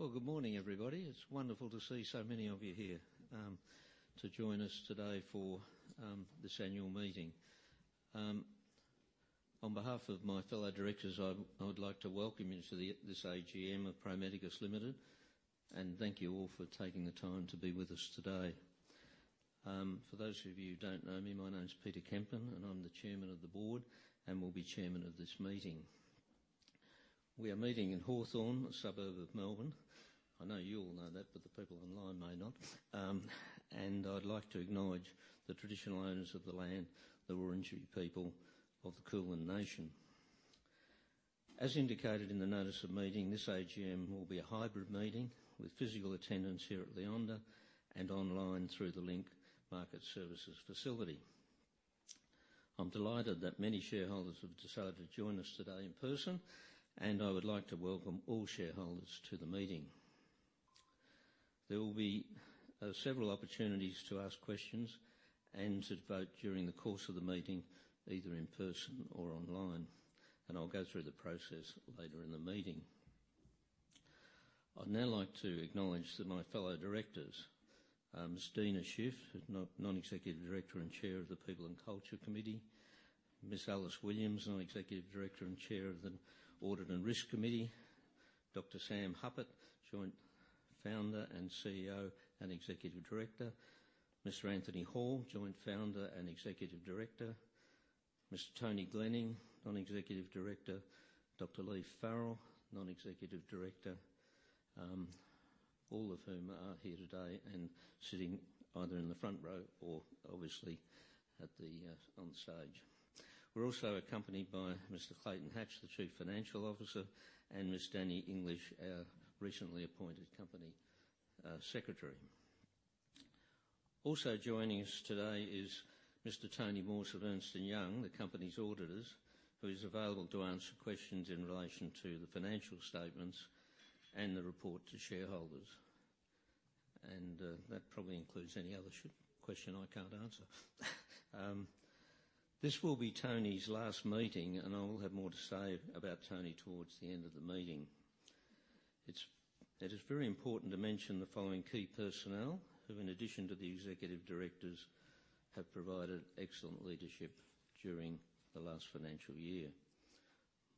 Well, good morning, everybody. It's wonderful to see so many of you here to join us today for this annual meeting. On behalf of my fellow directors, I would like to welcome you to this AGM of Pro Medicus Limited, and thank you all for taking the time to be with us today. For those of you who don't know me, my name is Peter Kempen, and I'm the chairman of the board and will be chairman of this meeting. We are meeting in Hawthorn, a suburb of Melbourne. I know you all know that, but the people online may not. And I'd like to acknowledge the traditional owners of the land, the Wurundjeri people of the Kulin Nation. As indicated in the notice of meeting, this AGM will be a hybrid meeting, with physical attendance here at Leonda and online through the Link Market Services facility. I'm delighted that many shareholders have decided to join us today in person, and I would like to welcome all shareholders to the meeting. There will be several opportunities to ask questions and to vote during the course of the meeting, either in person or online, and I'll go through the process later in the meeting. I'd now like to acknowledge that my fellow directors, Ms. Deena Shiff, non-executive director and chair of the People and Culture Committee, Ms. Alice Williams, non-executive director and chair of the Audit and Risk Committee, Dr. Sam Hupert, joint founder and CEO, and executive director, Mr. Anthony Hall, joint founder and executive director, Mr. Anthony Glenning, non-executive director, Dr. Leigh Farrell, non-executive director, all of whom are here today and sitting either in the front row or obviously, at the, on the stage. We're also accompanied by Mr. Clayton Hatch, the Chief Financial Officer, and Ms. Dani English, our recently appointed Company Secretary. Also joining us today is Mr. Tony Morse of Ernst & Young, the company's auditors, who is available to answer questions in relation to the financial statements and the report to shareholders. That probably includes any other question I can't answer. This will be Tony's last meeting, and I will have more to say about Tony towards the end of the meeting. It is very important to mention the following key personnel, who, in addition to the executive directors, have provided excellent leadership during the last financial year.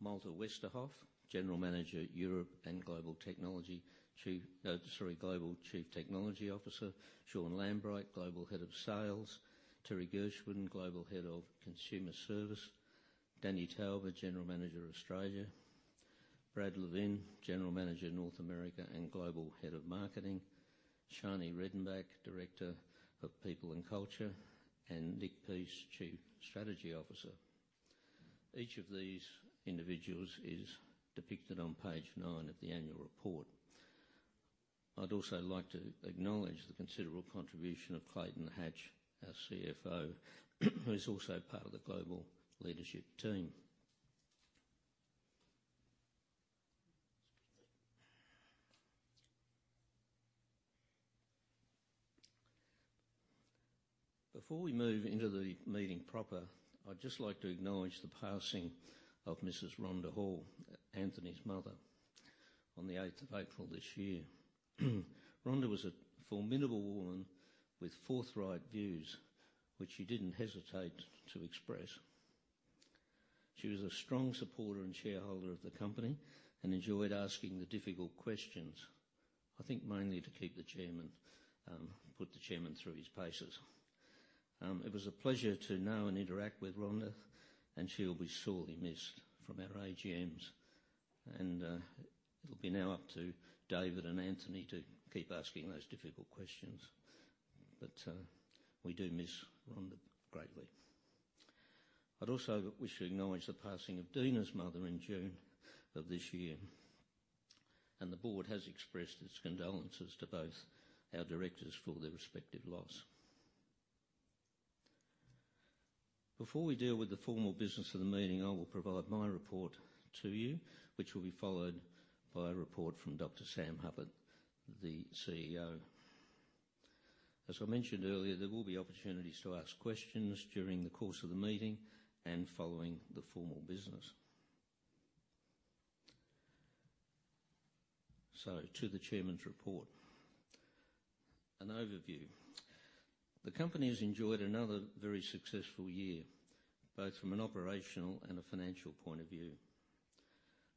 Malte Westerhoff, General Manager, Europe and Global Chief Technology Officer. Sean Lambright, Global Head of Sales. Terri Gschwind, Global Head of Customer Service. Danny Tauber, General Manager, Australia. Brad Levin, General Manager, North America and Global Head of Marketing. Shani Redenbach, Director of People and Culture, and Nick Peace, Chief Strategy Officer. Each of these individuals is depicted on page nine of the annual report. I'd also like to acknowledge the considerable contribution of Clayton Hatch, our CFO, who is also part of the global leadership team. Before we move into the meeting proper, I'd just like to acknowledge the passing of Mrs. Rhonda Hall, Anthony's mother, on the eighth of April this year. Rhonda was a formidable woman with forthright views, which she didn't hesitate to express. She was a strong supporter and shareholder of the company and enjoyed asking the difficult questions, I think mainly to keep the chairman, put the chairman through his paces. It was a pleasure to know and interact with Rhonda, and she will be sorely missed from our AGMs. It'll be now up to David and Anthony to keep asking those difficult questions. We do miss Rhonda greatly. I'd also wish to acknowledge the passing of Deena's mother in June of this year, and the board has expressed its condolences to both our directors for their respective loss. Before we deal with the formal business of the meeting, I will provide my report to you, which will be followed by a report from Dr. Sam Hupert, the CEO. As I mentioned earlier, there will be opportunities to ask questions during the course of the meeting and following the formal business. So to the chairman's report. An overview. The company has enjoyed another very successful year, both from an operational and a financial point of view.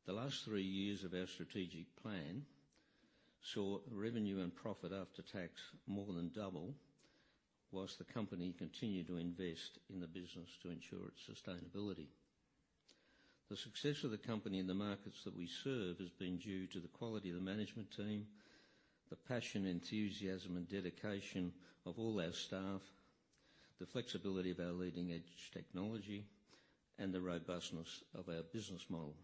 The last three years of our strategic plan saw revenue and profit after tax more than double, whilst the company continued to invest in the business to ensure its sustainability. The success of the company in the markets that we serve has been due to the quality of the management team, the passion, enthusiasm, and dedication of all our staff, the flexibility of our leading-edge technology, and the robustness of our business model.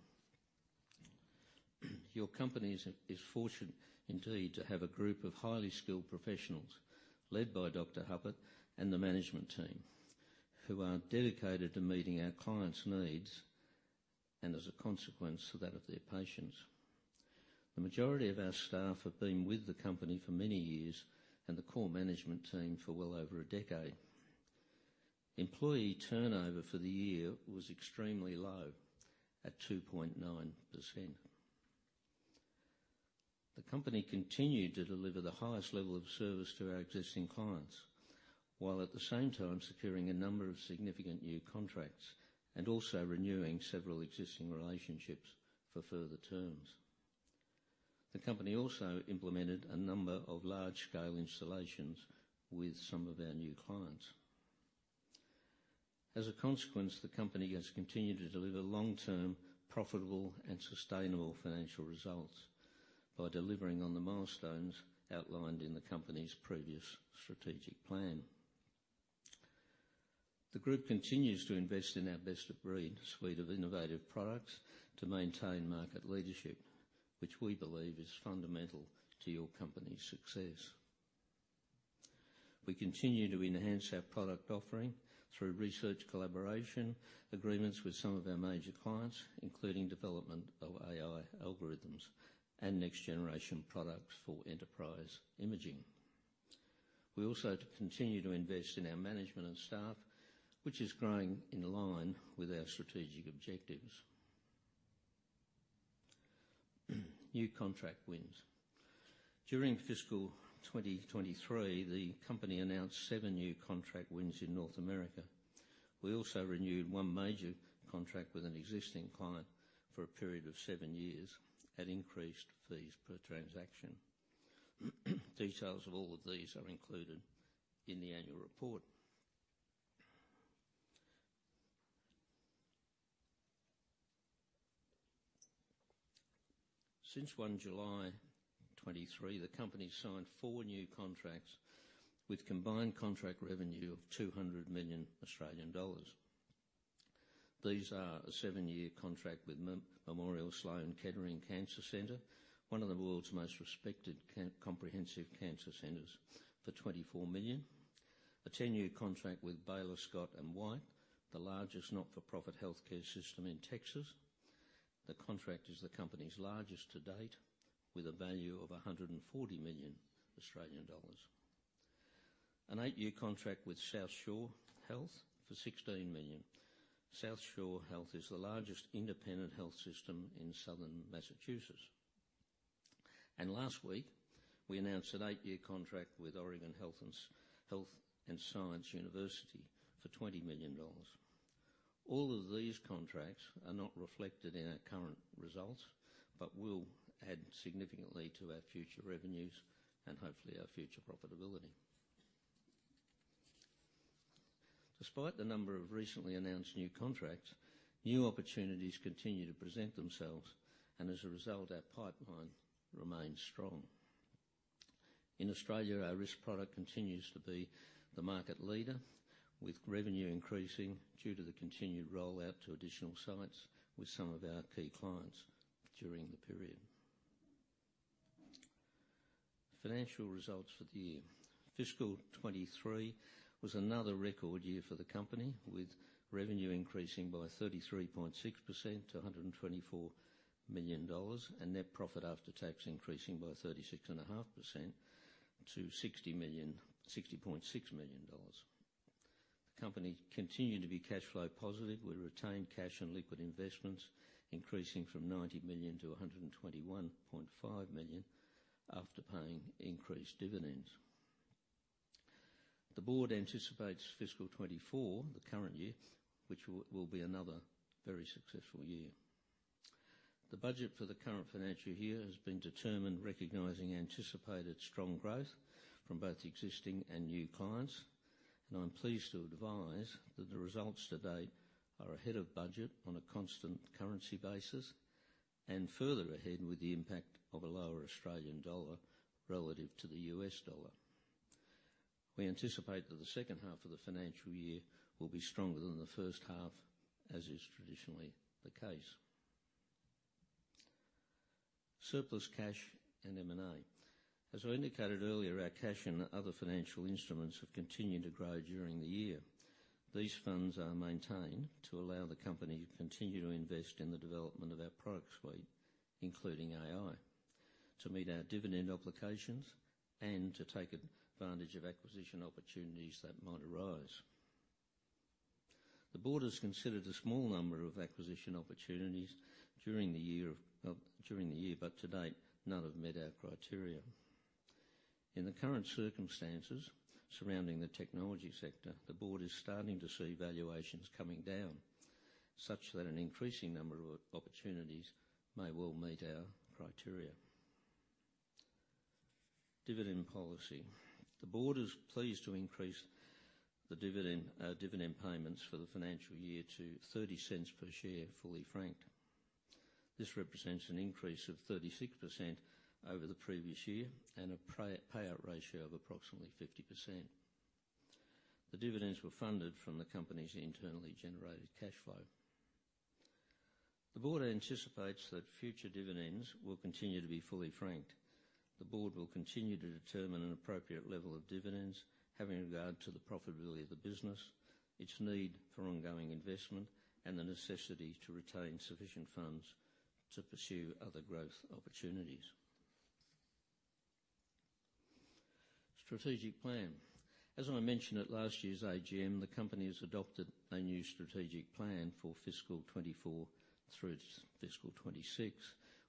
Your company is fortunate indeed to have a group of highly skilled professionals, led by Dr. Hupert and the management team, who are dedicated to meeting our clients' needs and, as a consequence to that, of their patients. The majority of our staff have been with the company for many years, and the core management team for well over a decade.... Employee turnover for the year was extremely low, at 2.9%. The company continued to deliver the highest level of service to our existing clients, while at the same time securing a number of significant new contracts and also renewing several existing relationships for further terms. The company also implemented a number of large-scale installations with some of our new clients. As a consequence, the company has continued to deliver long-term, profitable, and sustainable financial results by delivering on the milestones outlined in the company's previous strategic plan. The group continues to invest in our best-of-breed suite of innovative products to maintain market leadership, which we believe is fundamental to your company's success. We continue to enhance our product offering through research collaboration, agreements with some of our major clients, including development of AI algorithms and next-generation products for enterprise imaging. We also continue to invest in our management and staff, which is growing in line with our strategic objectives. New contract wins. During fiscal 2023, the company announced seven new contract wins in North America. We also renewed one major contract with an existing client for a period of seven years at increased fees per transaction. Details of all of these are included in the annual report. Since 1 July 2023, the company signed four new contracts with combined contract revenue of 200 million Australian dollars. These are a seven-year contract with Memorial Sloan Kettering Cancer Center, one of the world's most respected comprehensive cancer centers, for 24 million. A 10-year contract with Baylor Scott & White, the largest not-for-profit healthcare system in Texas. The contract is the company's largest to date, with a value of 140 million Australian dollars. An eight-year contract with South Shore Health for 16 million. South Shore Health is the largest independent health system in southern Massachusetts. And last week, we announced an eight-year contract with Oregon Health & Science University for 20 million dollars. All of these contracts are not reflected in our current results, but will add significantly to our future revenues and, hopefully, our future profitability. Despite the number of recently announced new contracts, new opportunities continue to present themselves, and as a result, our pipeline remains strong. In Australia, our RIS product continues to be the market leader, with revenue increasing due to the continued rollout to additional sites with some of our key clients during the period. Financial results for the year. Fiscal 2023 was another record year for the company, with revenue increasing by 33.6% to 124 million dollars, and net profit after tax increasing by 36.5% to 60.6 million dollars. The company continued to be cash flow positive, with retained cash and liquid investments increasing from 90 million to 121.5 million after paying increased dividends. The board anticipates fiscal 2024, the current year, which will be another very successful year. The budget for the current financial year has been determined, recognizing anticipated strong growth from both existing and new clients, and I'm pleased to advise that the results to date are ahead of budget on a constant currency basis, and further ahead with the impact of a lower Australian dollar relative to the US dollar. We anticipate that the second half of the financial year will be stronger than the first half, as is traditionally the case. Surplus cash and M&A. As I indicated earlier, our cash and other financial instruments have continued to grow during the year. These funds are maintained to allow the company to continue to invest in the development of our product suite, including AI, to meet our dividend obligations, and to take advantage of acquisition opportunities that might arise. The board has considered a small number of acquisition opportunities during the year, but to date, none have met our criteria. In the current circumstances surrounding the technology sector, the board is starting to see valuations coming down, such that an increasing number of opportunities may well meet our criteria. Dividend policy. The board is pleased to increase the dividend payments for the financial year to 0.30 per share, fully franked. This represents an increase of 36% over the previous year and a payout ratio of approximately 50%. The dividends were funded from the company's internally generated cash flow. The board anticipates that future dividends will continue to be fully franked. The board will continue to determine an appropriate level of dividends, having regard to the profitability of the business, its need for ongoing investment, and the necessity to retain sufficient funds to pursue other growth opportunities. Strategic plan. As I mentioned at last year's AGM, the company has adopted a new strategic plan for fiscal 2024 through fiscal 2026,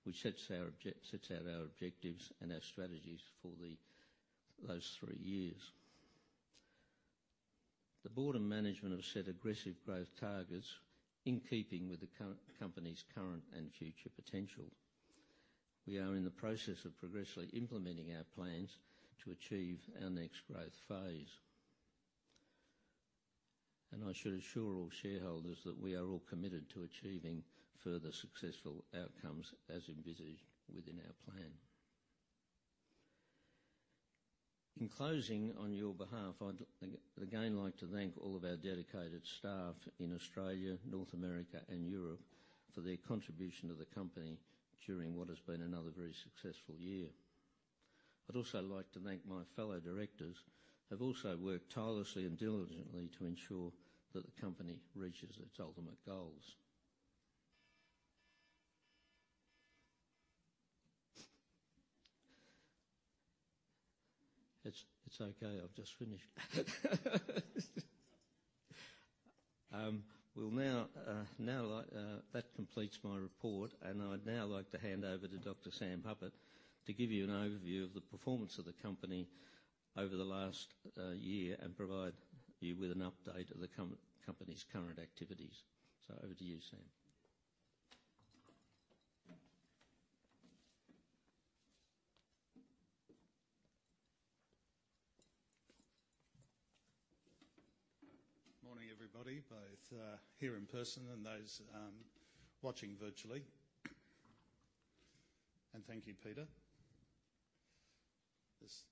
which sets out our objectives and our strategies for those three years. The board and management have set aggressive growth targets in keeping with the company's current and future potential. We are in the process of progressively implementing our plans to achieve our next growth phase. I should assure all shareholders that we are all committed to achieving further successful outcomes as envisaged within our plan. In closing, on your behalf, I'd again like to thank all of our dedicated staff in Australia, North America, and Europe for their contribution to the company during what has been another very successful year. I'd also like to thank my fellow directors, who have also worked tirelessly and diligently to ensure that the company reaches its ultimate goals. It's, it's okay. I've just finished. We'll now now that completes my report, and I'd now like to hand over to Dr. Sam Hupert to give you an overview of the performance of the company over the last year and provide you with an update of the company's current activities. So over to you, Sam. Morning, everybody, both here in person and those watching virtually. And thank you, Peter. This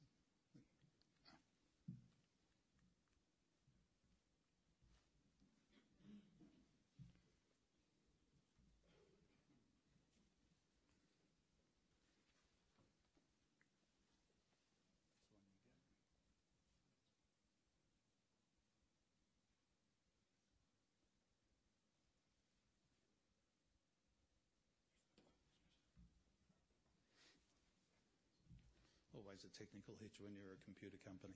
always a technical hitch when you're a computer company.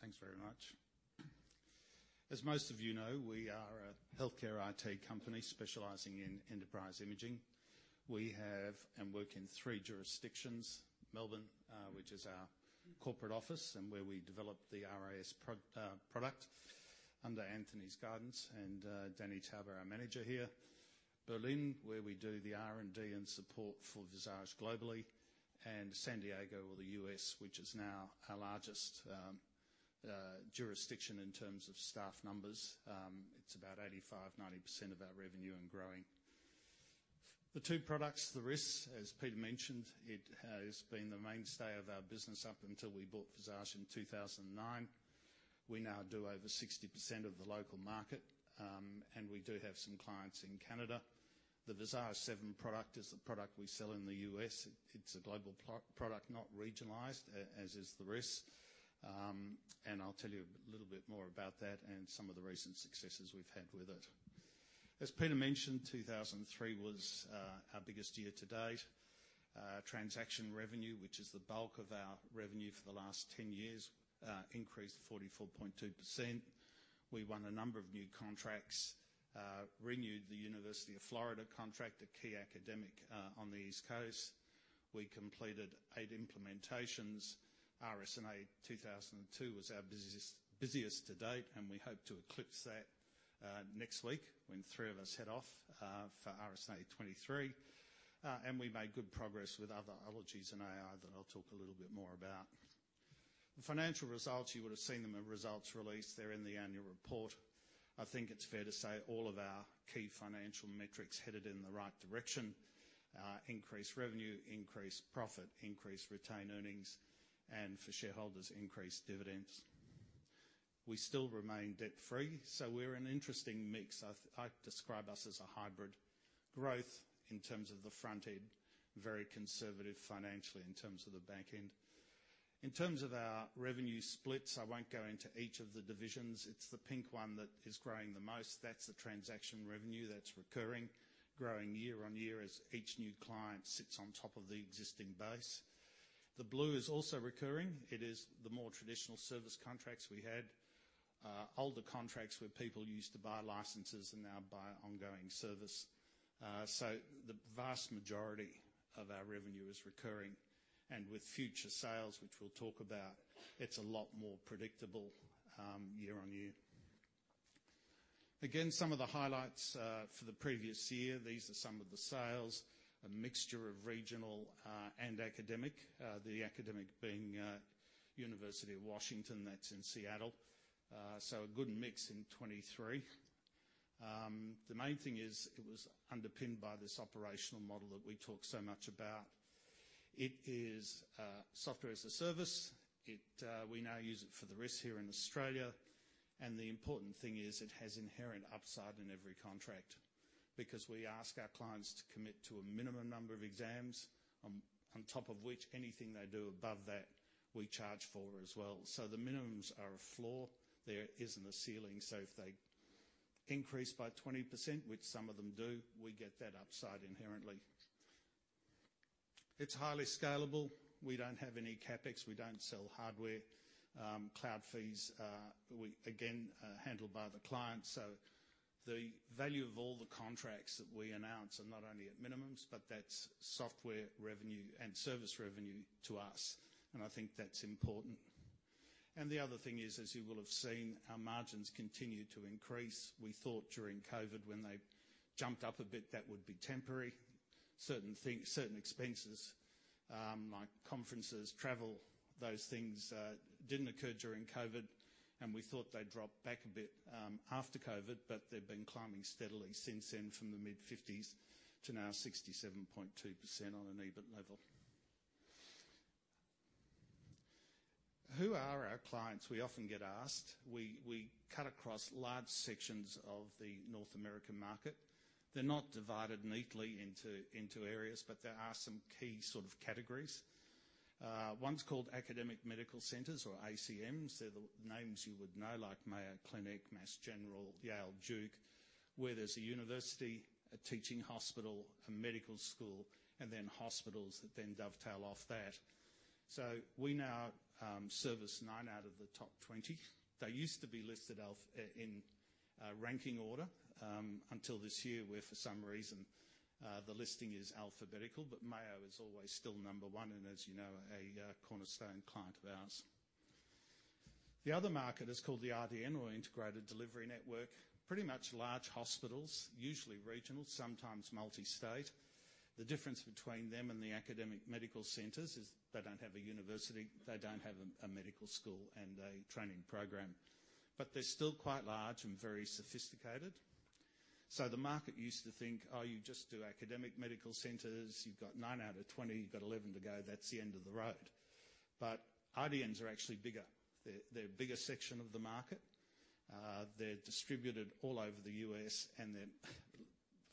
Thanks very much. As most of you know, we are a healthcare IT company specializing in enterprise imaging. We have and work in three jurisdictions: Melbourne, which is our corporate office and where we develop the RIS product under Anthony's guidance and Danny Tauber, our manager here; Berlin, where we do the R&D and support for Visage globally; and San Diego, or the U.S., which is now our largest jurisdiction in terms of staff numbers. It's about 85%-90% of our revenue and growing. The two products, the RIS, as Peter mentioned, it has been the mainstay of our business up until we bought Visage in 2009. We now do over 60% of the local market, and we do have some clients in Canada. The Visage 7 product is the product we sell in the U.S. It's a global product, not regionalized, as is the RIS. And I'll tell you a little bit more about that and some of the recent successes we've had with it. As Peter mentioned, 2023 was our biggest year to date. Transaction revenue, which is the bulk of our revenue for the last 10 years, increased 44.2%. We won a number of new contracts, renewed the University of Florida contract, a key academic on the East Coast. We completed 8 implementations. RSNA 2022 was our busiest to date, and we hope to eclipse that next week when three of us head off for RSNA 2023. And we made good progress with other alliances and AI that I'll talk a little bit more about. The financial results, you would have seen them in results release. They're in the annual report. I think it's fair to say all of our key financial metrics headed in the right direction. Increased revenue, increased profit, increased retained earnings, and for shareholders, increased dividends. We still remain debt-free, so we're an interesting mix. I'd describe us as a hybrid. Growth in terms of the front end, very conservative financially in terms of the back end. In terms of our revenue splits, I won't go into each of the divisions. It's the pink one that is growing the most. That's the Transaction Revenue that's recurring, growing year-on-year as each new client sits on top of the existing base. The blue is also recurring. It is the more traditional service contracts we had, older contracts where people used to buy licenses and now buy ongoing service. So the vast majority of our revenue is recurring, and with future sales, which we'll talk about, it's a lot more predictable, year on year. Again, some of the highlights, for the previous year, these are some of the sales, a mixture of regional, and academic. The academic being, University of Washington, that's in Seattle. So a good mix in 2023. The main thing is, it was underpinned by this operational model that we talk so much about. It is, software as a service. It, we now use it for the RIS here in Australia. And the important thing is it has inherent upside in every contract, because we ask our clients to commit to a minimum number of exams, on top of which, anything they do above that, we charge for as well. So the minimums are a floor. There isn't a ceiling, so if they increase by 20%, which some of them do, we get that upside inherently. It's highly scalable. We don't have any CapEx, we don't sell hardware. Cloud fees are again handled by the client. So the value of all the contracts that we announce are not only at minimums, but that's software revenue and service revenue to us, and I think that's important. And the other thing is, as you will have seen, our margins continue to increase. We thought during COVID, when they jumped up a bit, that would be temporary. Certain things, certain expenses, like conferences, travel, those things, didn't occur during COVID, and we thought they'd drop back a bit, after COVID, but they've been climbing steadily since then from the mid-50s to now 67.2% on an EBIT level. Who are our clients? We often get asked. We, we cut across large sections of the North American market. They're not divided neatly into, into areas, but there are some key sort of categories. One's called Academic Medical Centers or AMCs. They're the names you would know, like Mayo Clinic, Mass General, Yale, Duke, where there's a university, a teaching hospital, a medical school, and then hospitals that then dovetail off that. So we now service 9 out of the top 20. They used to be listed in ranking order until this year, where for some reason the listing is alphabetical, but Mayo is always still number 1, and as you know, a cornerstone client of ours. The other market is called the IDN, or Integrated Delivery Network. Pretty much large hospitals, usually regional, sometimes multi-state. The difference between them and the academic medical centers is they don't have a university, they don't have a medical school and a training program, but they're still quite large and very sophisticated. So the market used to think, "Oh, you just do academic medical centers. You've got 9 out of 20, you've got 11 to go. That's the end of the road." But IDNs are actually bigger. They're a bigger section of the market. They're distributed all over the U.S., and they're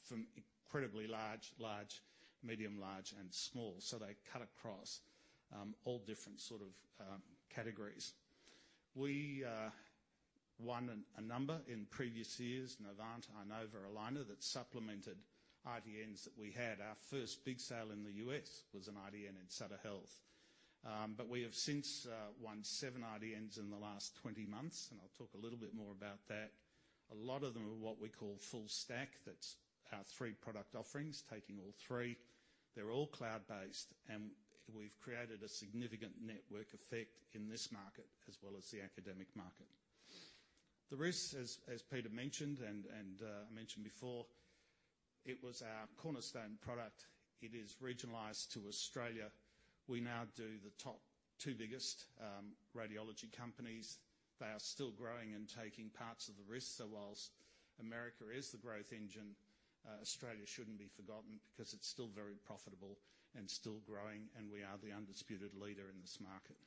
from incredibly large, large, medium, large, and small, so they cut across all different sort of categories. We won a number in previous years, Novant, Inova, Allina, that supplemented IDNs that we had. Our first big sale in the U.S. was an IDN in Sutter Health. But we have since won seven IDNs in the last 20 months, and I'll talk a little bit more about that. A lot of them are what we call full stack. That's our three product offerings, taking all three. They're all cloud-based, and we've created a significant network effect in this market as well as the academic market. The RIS, as Peter mentioned and I mentioned before, it was our cornerstone product. It is regionalized to Australia. We now do the top two biggest radiology companies. They are still growing and taking parts of the risk, so while America is the growth engine, Australia shouldn't be forgotten because it's still very profitable and still growing, and we are the undisputed leader in this market.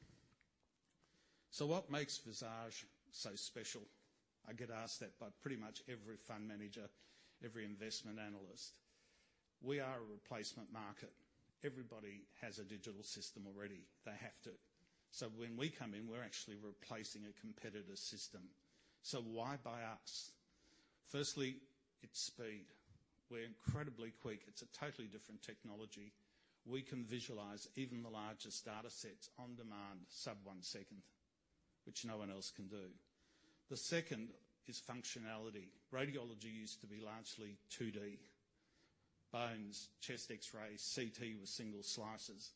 So what makes Visage so special? I get asked that by pretty much every fund manager, every investment analyst. We are a replacement market. Everybody has a digital system already. They have to. So when we come in, we're actually replacing a competitor's system. So why buy us? Firstly, it's speed. We're incredibly quick. It's a totally different technology. We can visualize even the largest data sets on demand, sub one second, which no one else can do. The second is functionality. Radiology used to be largely 2D. Bones, chest X-rays, CT with single slices,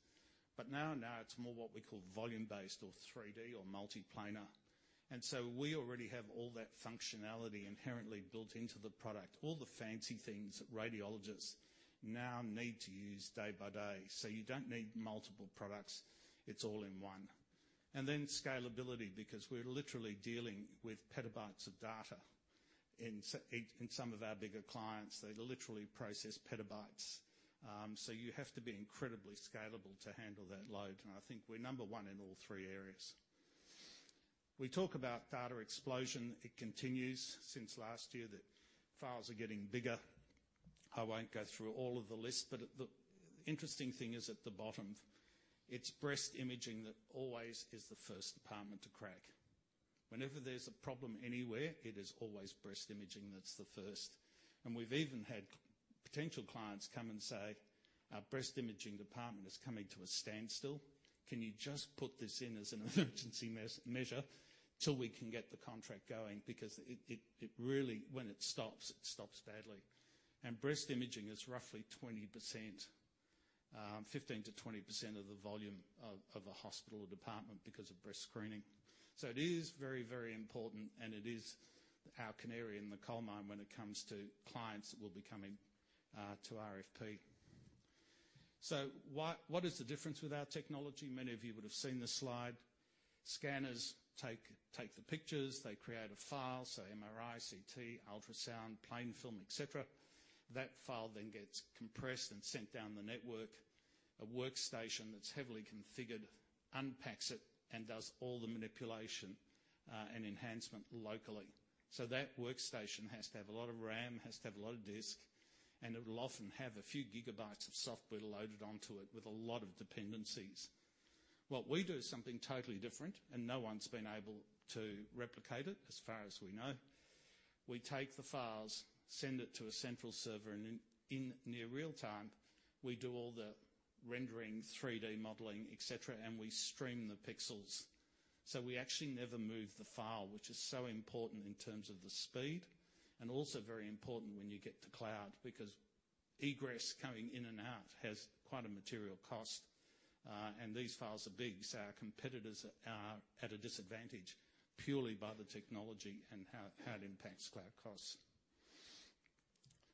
but now, now it's more what we call volume-based, or 3D, or multiplanar, and so we already have all that functionality inherently built into the product. All the fancy things that radiologists now need to use day by day, so you don't need multiple products. It's all in one. And then scalability, because we're literally dealing with petabytes of data. In some of our bigger clients, they literally process petabytes. So you have to be incredibly scalable to handle that load, and I think we're number one in all three areas. We talk about data explosion. It continues since last year, that files are getting bigger. I won't go through all of the lists, but the, the interesting thing is at the bottom, it's breast imaging that always is the first department to crack. Whenever there's a problem anywhere, it is always breast imaging that's the first. We've even had potential clients come and say, "Our breast imaging department is coming to a standstill. Can you just put this in as an emergency measure till we can get the contract going?" Because it really, when it stops, it stops badly. Breast imaging is roughly 20%, 15%-20% of the volume of a hospital department because of breast screening. It is very, very important, and it is our canary in the coal mine when it comes to clients that will be coming to RFP. What is the difference with our technology? Many of you would have seen this slide. Scanners take the pictures, they create a file, so MRI, CT, ultrasound, plain film, et cetera. That file then gets compressed and sent down the network. A workstation that's heavily configured unpacks it, and does all the manipulation and enhancement locally. So that workstation has to have a lot of RAM, has to have a lot of disk, and it will often have a few gigabytes of software loaded onto it with a lot of dependencies. What we do is something totally different, and no one's been able to replicate it as far as we know. We take the files, send it to a central server, and in near real time, we do all the rendering, 3D modeling, et cetera, and we stream the pixels. So we actually never move the file, which is so important in terms of the speed, and also very important when you get to cloud, because egress coming in and out has quite a material cost. And these files are big, so our competitors are at a disadvantage purely by the technology and how it impacts cloud costs.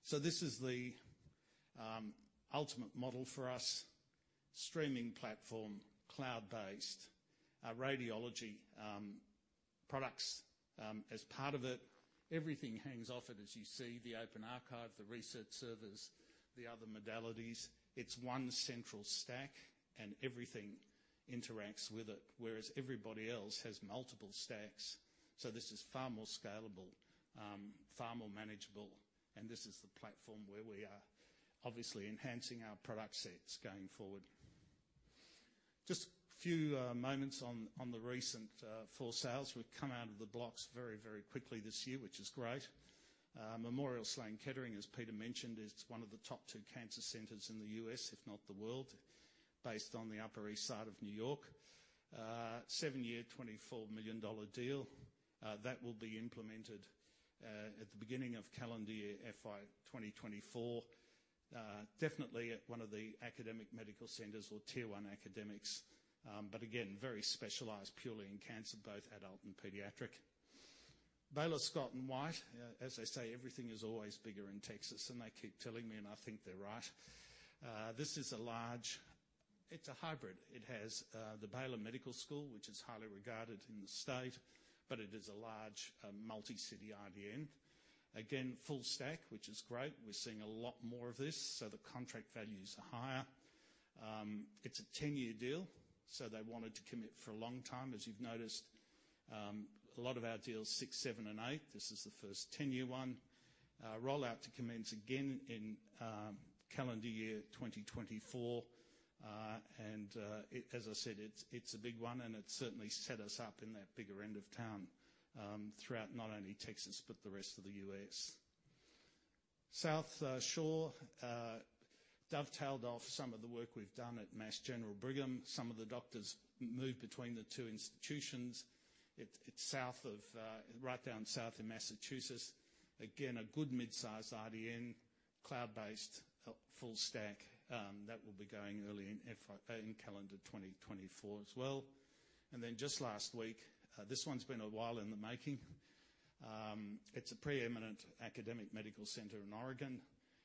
So this is the ultimate model for us. Streaming platform, cloud-based radiology products as part of it. Everything hangs off it, as you see, the Open Archive, the research servers, the other modalities. It's one central stack, and everything interacts with it, whereas everybody else has multiple stacks. So this is far more scalable, far more manageable, and this is the platform where we are obviously enhancing our product sets going forward. Just a few moments on the recent four sales. We've come out of the blocks very, very quickly this year, which is great. Memorial Sloan Kettering, as Peter mentioned, is one of the top two cancer centers in the U.S., if not the world, based on the Upper East Side of New York. Seven-year, 24 million dollar deal that will be implemented at the beginning of calendar year FY 2024. Definitely at one of the academic medical centers or Tier 1 academics, but again, very specialized, purely in cancer, both adult and pediatric. Baylor Scott & White, as they say, everything is always bigger in Texas, and they keep telling me, and I think they're right. This is a large... It's a hybrid. It has the Baylor Medical School, which is highly regarded in the state, but it is a large multi-city IDN. Again, full stack, which is great. We're seeing a lot more of this, so the contract values are higher. It's a 10-year deal, so they wanted to commit for a long time. As you've noticed, a lot of our deals, 6, 7, and 8. This is the first 10-year one. Rollout to commence again in calendar year 2024. And, it, as I said, it's a big one, and it certainly set us up in that bigger end of town, throughout not only Texas, but the rest of the U.S. South Shore dovetailed off some of the work we've done at Mass General Brigham. Some of the doctors moved between the two institutions. It's south of, right down south in Massachusetts. Again, a good mid-size IDN, cloud-based, full stack, that will be going early in FY in calendar 2024 as well. And then just last week, this one's been a while in the making. It's a preeminent academic medical center in Oregon.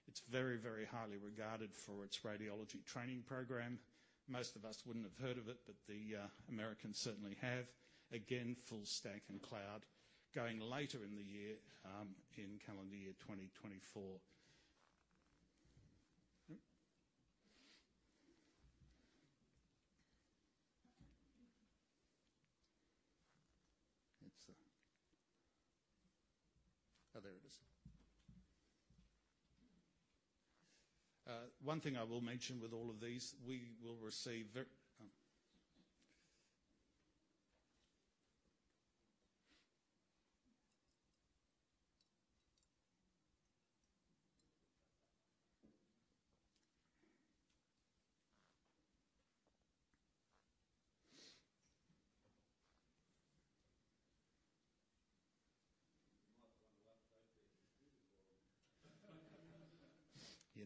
It's very, very highly regarded for its radiology training program. Most of us wouldn't have heard of it, but the Americans certainly have. Again, full stack and cloud, going later in the year, in calendar year 2024. It's... Oh, there it is. One thing I will mention with all of these, we will receive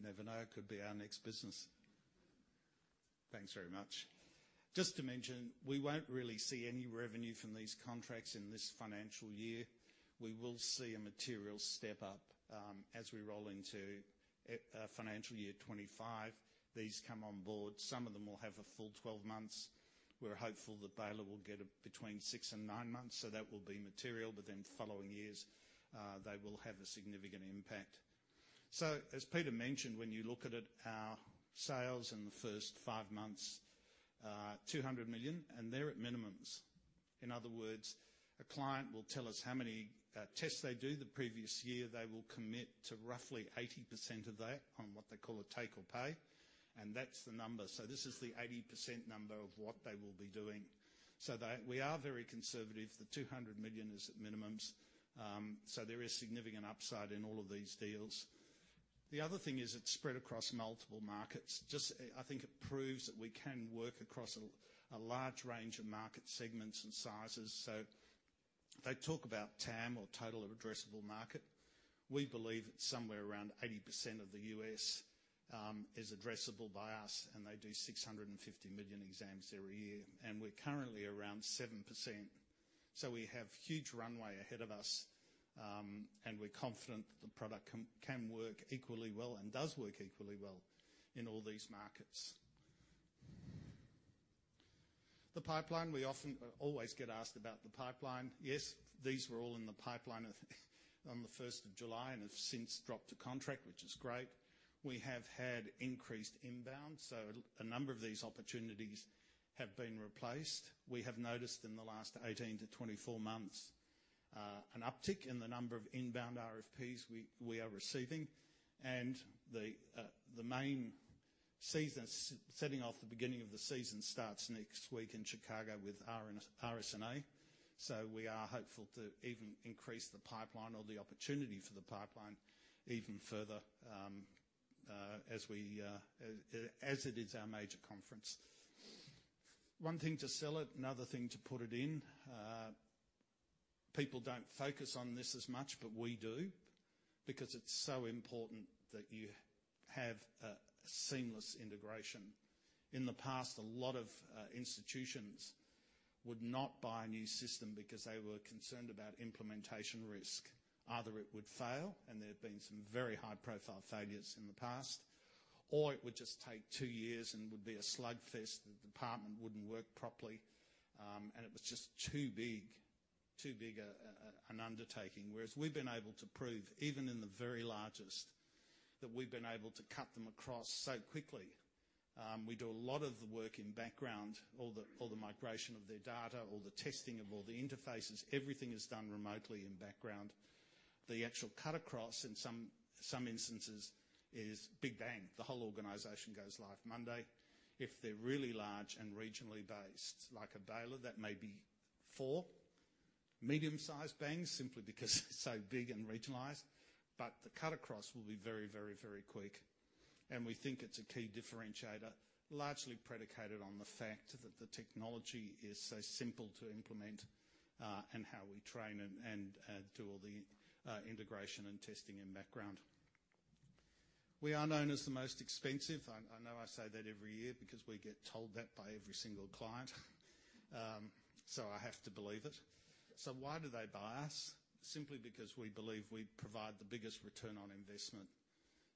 very, You might want to wipe those before. You never know, it could be our next business. Thanks very much. Just to mention, we won't really see any revenue from these contracts in this financial year. We will see a material step-up, as we roll into financial year 2025. These come on board. Some of them will have a full 12 months. We're hopeful that Baylor will get between six and nine months, so that will be material, but then the following years, they will have a significant impact. So as Peter mentioned, when you look at it, our sales in the first five months are 200 million, and they're at minimums. In other words, a client will tell us how many tests they do the previous year. They will commit to roughly 80% of that on what they call a take or pay, and that's the number. So this is the 80% number of what they will be doing. So they... We are very conservative. The 200 million is at minimums, so there is significant upside in all of these deals. The other thing is it's spread across multiple markets. Just, I think it proves that we can work across a, a large range of market segments and sizes. So they talk about TAM, or total addressable market. We believe it's somewhere around 80% of the U.S., is addressable by us, and they do 650 million exams every year, and we're currently around 7%. So we have huge runway ahead of us, and we're confident the product can, can work equally well and does work equally well in all these markets. The pipeline, we often, always get asked about the pipeline. Yes, these were all in the pipeline on the first of July, and have since dropped a contract, which is great. We have had increased inbound, so a number of these opportunities have been replaced. We have noticed in the last 18-24 months, an uptick in the number of inbound RFPs we are receiving, and the main season—setting off the beginning of the season starts next week in Chicago with RSNA. So we are hopeful to even increase the pipeline or the opportunity for the pipeline even further, as it is our major conference. One thing to sell it, another thing to put it in. People don't focus on this as much, but we do because it's so important that you have a seamless integration. In the past, a lot of institutions would not buy a new system because they were concerned about implementation risk. Either it would fail, and there have been some very high-profile failures in the past, or it would just take two years and would be a slugfest, the department wouldn't work properly, and it was just too big, too big an undertaking. Whereas we've been able to prove, even in the very largest, that we've been able to cut them across so quickly. We do a lot of the work in background, all the migration of their data, all the testing of all the interfaces, everything is done remotely in background. The actual cut across, in some instances, is big bang. The whole organization goes live Monday. If they're really large and regionally based, like a Baylor, that may be four medium-sized bangs, simply because it's so big and regionalized, but the cut across will be very, very, very quick. And we think it's a key differentiator, largely predicated on the fact that the technology is so simple to implement, and how we train and, and, do all the, integration and testing in background. We are known as the most expensive. I, I know I say that every year because we get told that by every single client, so I have to believe it. So why do they buy us? Simply because we believe we provide the biggest return on investment.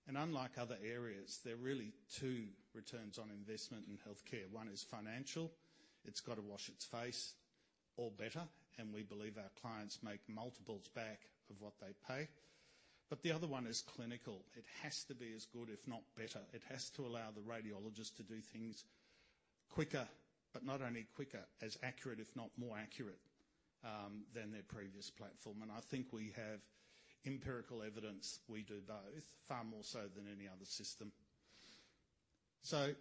And unlike other areas, there are really two returns on investment in healthcare. One is financial. It's got to wash its face or better, and we believe our clients make multiples back of what they pay. But the other one is clinical. It has to be as good, if not better. It has to allow the radiologist to do things quicker, but not only quicker, as accurate, if not more accurate, than their previous platform. And I think we have empirical evidence we do both, far more so than any other system. So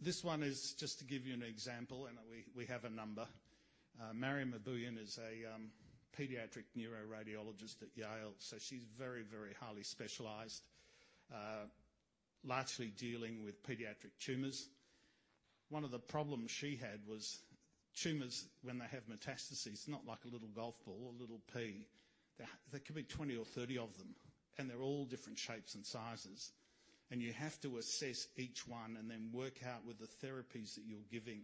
this one is just to give you an example, and we, we have a number. Mariam Aboian is a pediatric neuroradiologist at Yale, so she's very, very highly specialized, largely dealing with pediatric tumors. One of the problems she had was tumors, when they have metastases, not like a little golf ball or a little pea, there, there could be 20 or 30 of them, and they're all different shapes and sizes. And you have to assess each one and then work out with the therapies that you're giving,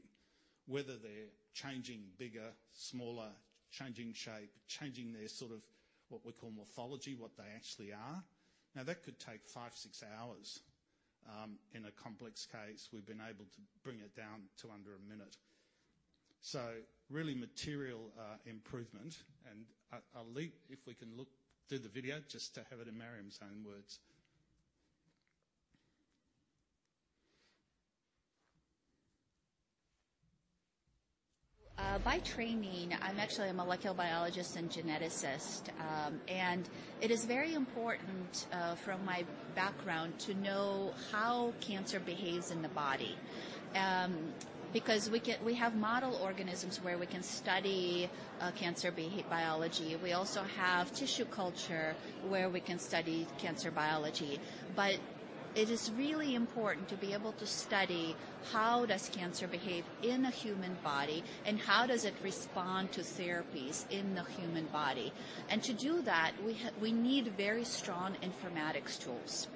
whether they're changing bigger, smaller, changing shape, changing their sort of what we call morphology, what they actually are. Now, that could take five, six hours. In a complex case, we've been able to bring it down to under a minute. So really material improvement. And I, I'll leave... If we can look through the video, just to have it in Mariam's own words. By training, I'm actually a molecular biologist and geneticist. It is very important, from my background to know how cancer behaves in the body. Because we have model organisms where we can study cancer biology. We also have tissue culture where we can study cancer biology. But it is really important to be able to study how does cancer behave in a human body, and how does it respond to therapies in the human body? And to do that, we need very strong informatics tools.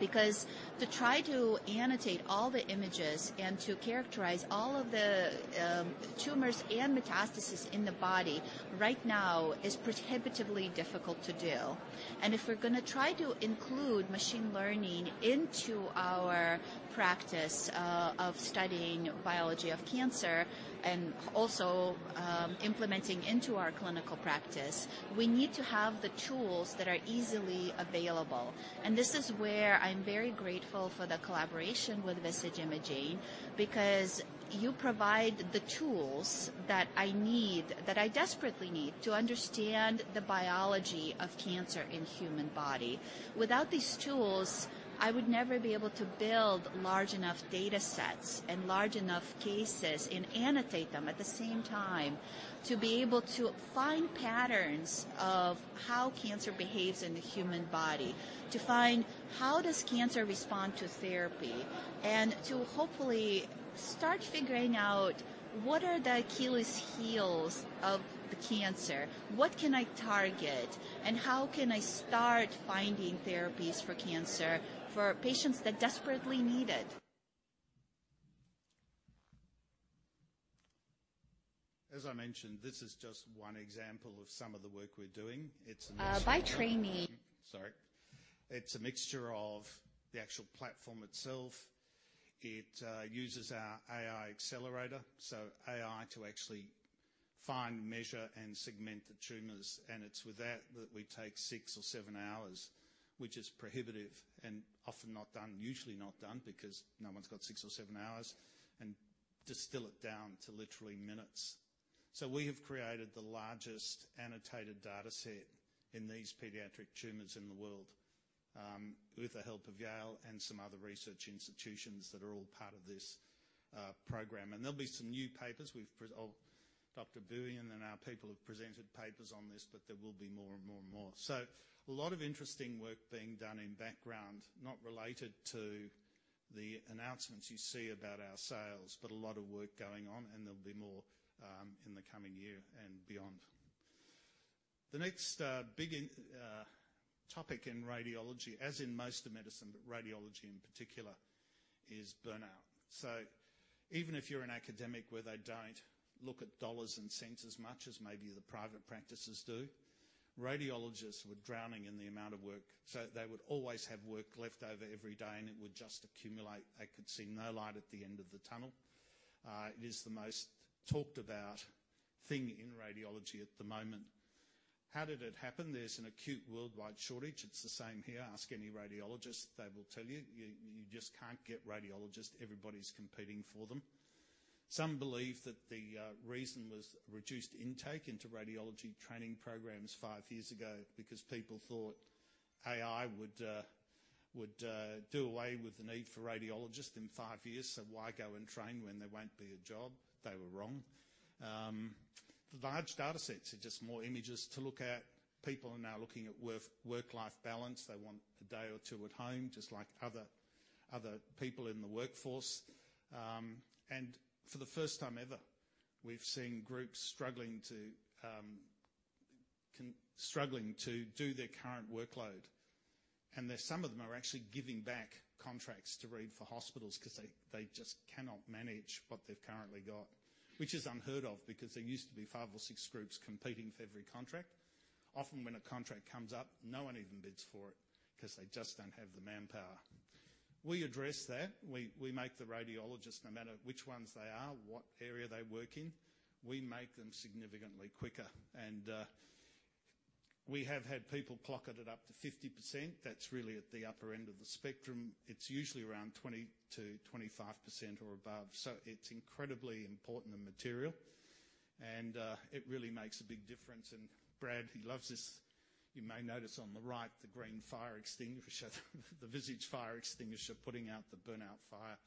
Because to try to annotate all the images and to characterize all of the tumors and metastases in the body right now is prohibitively difficult to do. And if we're gonna try to include machine learning into our practice of studying biology of cancer, and also, implementing into our clinical practice, we need to have the tools that are easily available. And this is where I'm very grateful for the collaboration with Visage Imaging, because you provide the tools that I need, that I desperately need, to understand the biology of cancer in human body. Without these tools, I would never be able to build large enough data sets and large enough cases and annotate them at the same time, to be able to find patterns of how cancer behaves in the human body, to find how does cancer respond to therapy, and to hopefully start figuring out what are the Achilles heels of the cancer? What can I target, and how can I start finding therapies for cancer for patients that desperately need it? As I mentioned, this is just one example of some of the work we're doing. It's a- By training- Sorry. It's a mixture of the actual platform itself. It uses our AI Accelerator, so AI to actually find, measure, and segment the tumors. And it's with that, that we take six or seven hours, which is prohibitive and often not done, usually not done, because no one's got six or seven hours, and distill it down to literally minutes. So we have created the largest annotated data set in these pediatric tumors in the world, with the help of Yale and some other research institutions that are all part of this, program. And there'll be some new papers. Dr. Aboian and then our people have presented papers on this, but there will be more and more and more. So a lot of interesting work being done in background, not related to the announcements you see about our sales, but a lot of work going on, and there'll be more in the coming year and beyond. The next big topic in radiology, as in most of medicine, but radiology in particular, is burnout. So even if you're an academic where they don't look at dollars and cents as much as maybe the private practices do, radiologists were drowning in the amount of work, so they would always have work left over every day, and it would just accumulate. They could see no light at the end of the tunnel. It is the most talked about thing in radiology at the moment. How did it happen? There's an acute worldwide shortage. It's the same here. Ask any radiologist, they will tell you. You just can't get radiologists. Everybody's competing for them. Some believe that the reason was reduced intake into radiology training programs five years ago because people thought AI would do away with the need for radiologists in five years, so why go and train when there won't be a job? They were wrong. The large data sets are just more images to look at. People are now looking at work-life balance. They want a day or two at home, just like other people in the workforce. And for the first time ever, we've seen groups struggling to do their current workload. And then some of them are actually giving back contracts to read for hospitals 'cause they, they just cannot manage what they've currently got, which is unheard of, because there used to be five or six groups competing for every contract. Often when a contract comes up, no one even bids for it 'cause they just don't have the manpower. We address that. We, we make the radiologists, no matter which ones they are, what area they work in, we make them significantly quicker. And we have had people clock it at up to 50%. That's really at the upper end of the spectrum. It's usually around 20-25% or above, so it's incredibly important and material, and it really makes a big difference. And Brad, he loves this. You may notice on the right, the green fire extinguisher, the Visage fire extinguisher, putting out the burnout fire.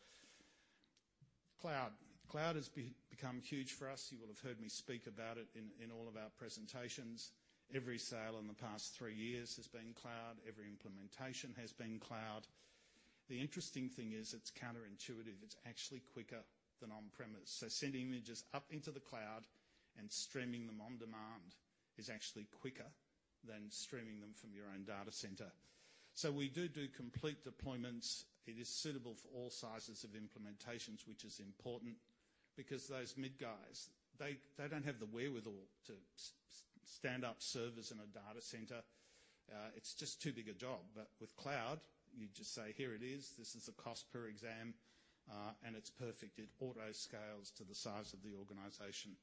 Cloud. Cloud has become huge for us. You will have heard me speak about it in all of our presentations. Every sale in the past three years has been cloud. Every implementation has been cloud. The interesting thing is, it's counterintuitive. It's actually quicker than on premise. So sending images up into the cloud and streaming them on demand is actually quicker than streaming them from your own data center. So we do do complete deployments. It is suitable for all sizes of implementations, which is important because those mid guys, they don't have the wherewithal to stand up servers in a data center. It's just too big a job. But with cloud, you just say, "Here it is. This is the cost per exam, and it's perfect. It auto scales to the size of the organization.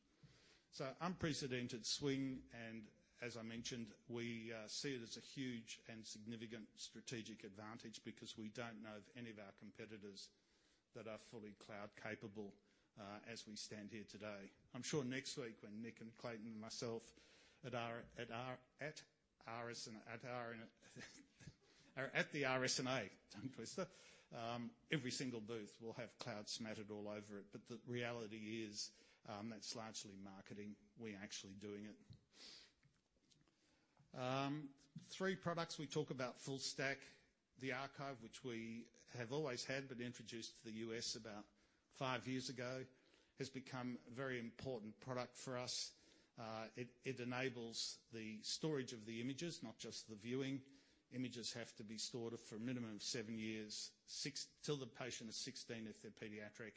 So unprecedented swing, and as I mentioned, we see it as a huge and significant strategic advantage because we don't know of any of our competitors that are fully cloud capable, as we stand here today. I'm sure next week when Nick and Clayton and myself at the RSNA, tongue twister, every single booth will have cloud smattered all over it. But the reality is, that's largely marketing. We're actually doing it. Three products. We talk about Full Stack, the archive, which we have always had, but introduced to the U.S. about five years ago, has become a very important product for us. It enables the storage of the images, not just the viewing. Images have to be stored for a minimum of seven years, six till the patient is sixteen, if they're pediatric,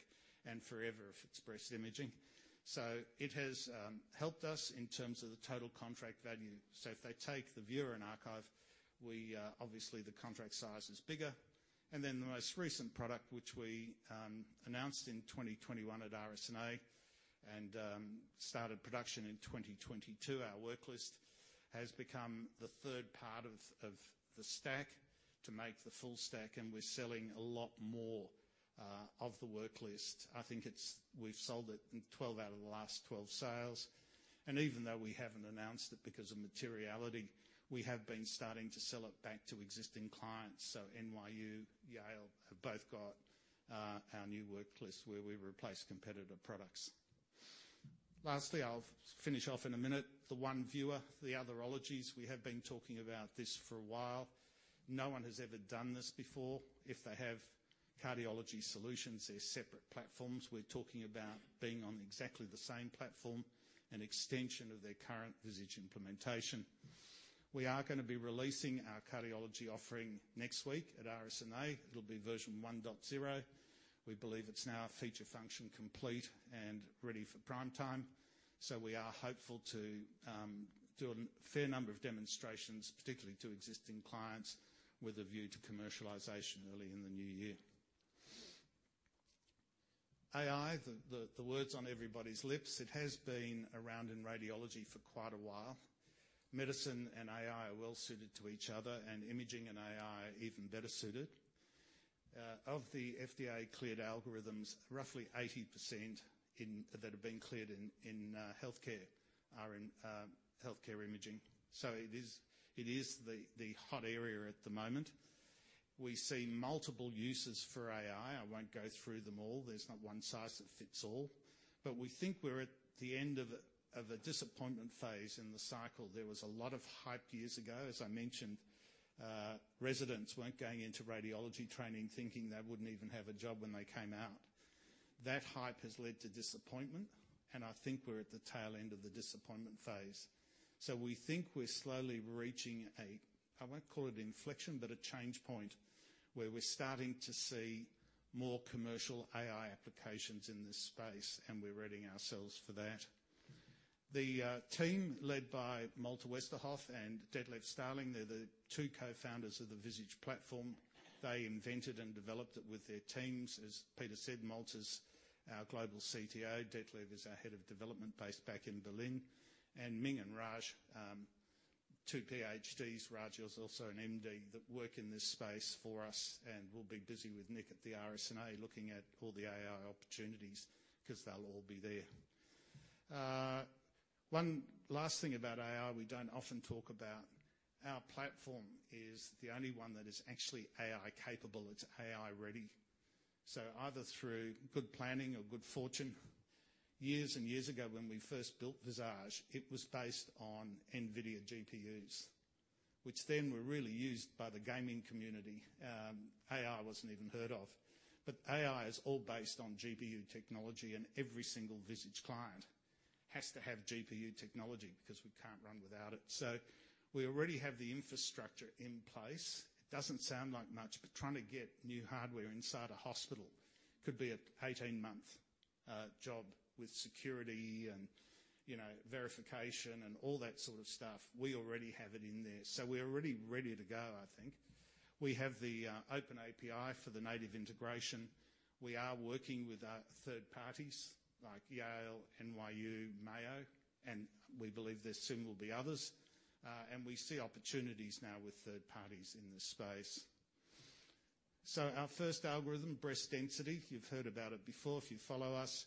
and forever, if it's breast imaging. So it has helped us in terms of the total contract value. So if they take the viewer and archive, we obviously, the contract size is bigger. And then the most recent product, which we announced in 2021 at RSNA and started production in 2022, our Worklist, has become the third part of the stack to make the Full Stack, and we're selling a lot more of the Worklist. I think it's we've sold it in 12 out of the last 12 sales, and even though we haven't announced it because of materiality, we have been starting to sell it back to existing clients. So NYU, Yale, have both got our new work list where we replace competitive products. Lastly, I'll finish off in a minute. The one viewer, the otherologies, we have been talking about this for a while. No one has ever done this before. If they have cardiology solutions, they're separate platforms. We're talking about being on exactly the same platform, an extension of their current Visage implementation. We are going to be releasing our cardiology offering next week at RSNA. It'll be version 1.0. We believe it's now feature function complete and ready for prime time, so we are hopeful to do a fair number of demonstrations, particularly to existing clients, with a view to commercialization early in the new year. AI, the, the, the word's on everybody's lips. It has been around in radiology for quite a while. Medicine and AI are well suited to each other, and imaging and AI are even better suited. Of the FDA-cleared algorithms, roughly 80% that have been cleared in healthcare are in healthcare imaging. So it is the hot area at the moment. We see multiple uses for AI. I won't go through them all. There's not one size that fits all. But we think we're at the end of a disappointment phase in the cycle. There was a lot of hype years ago. As I mentioned, residents weren't going into radiology training, thinking they wouldn't even have a job when they came out. That hype has led to disappointment, and I think we're at the tail end of the disappointment phase. So we think we're slowly reaching a, I won't call it inflection, but a change point, where we're starting to see more commercial AI applications in this space, and we're readying ourselves for that. The team, led by Malte Westerhoff and Detlev Stalling, they're the two cofounders of the Visage platform. They invented and developed it with their teams. As Peter said, Malte's our Global CTO, Detlev is our Head of Development based back in Berlin, and Ming and Raj, two PhDs, Raj is also an MD, that work in this space for us and will be busy with Nick at the RSNA, looking at all the AI opportunities 'cause they'll all be there. One last thing about AI we don't often talk about, our platform is the only one that is actually AI-capable. It's AI-ready. So either through good planning or good fortune, years and years ago, when we first built Visage, it was based on NVIDIA GPUs, which then were really used by the gaming community. AI wasn't even heard of. But AI is all based on GPU technology, and every single Visage client has to have GPU technology because we can't run without it. So we already have the infrastructure in place. It doesn't sound like much, but trying to get new hardware inside a hospital could be a 18-month job with security and, you know, verification and all that sort of stuff. We already have it in there, so we're already ready to go, I think. We have the open API for the native integration. We are working with third parties like Yale, NYU, Mayo, and we believe there soon will be others. And we see opportunities now with third parties in this space. So our first algorithm, breast density, you've heard about it before if you follow us.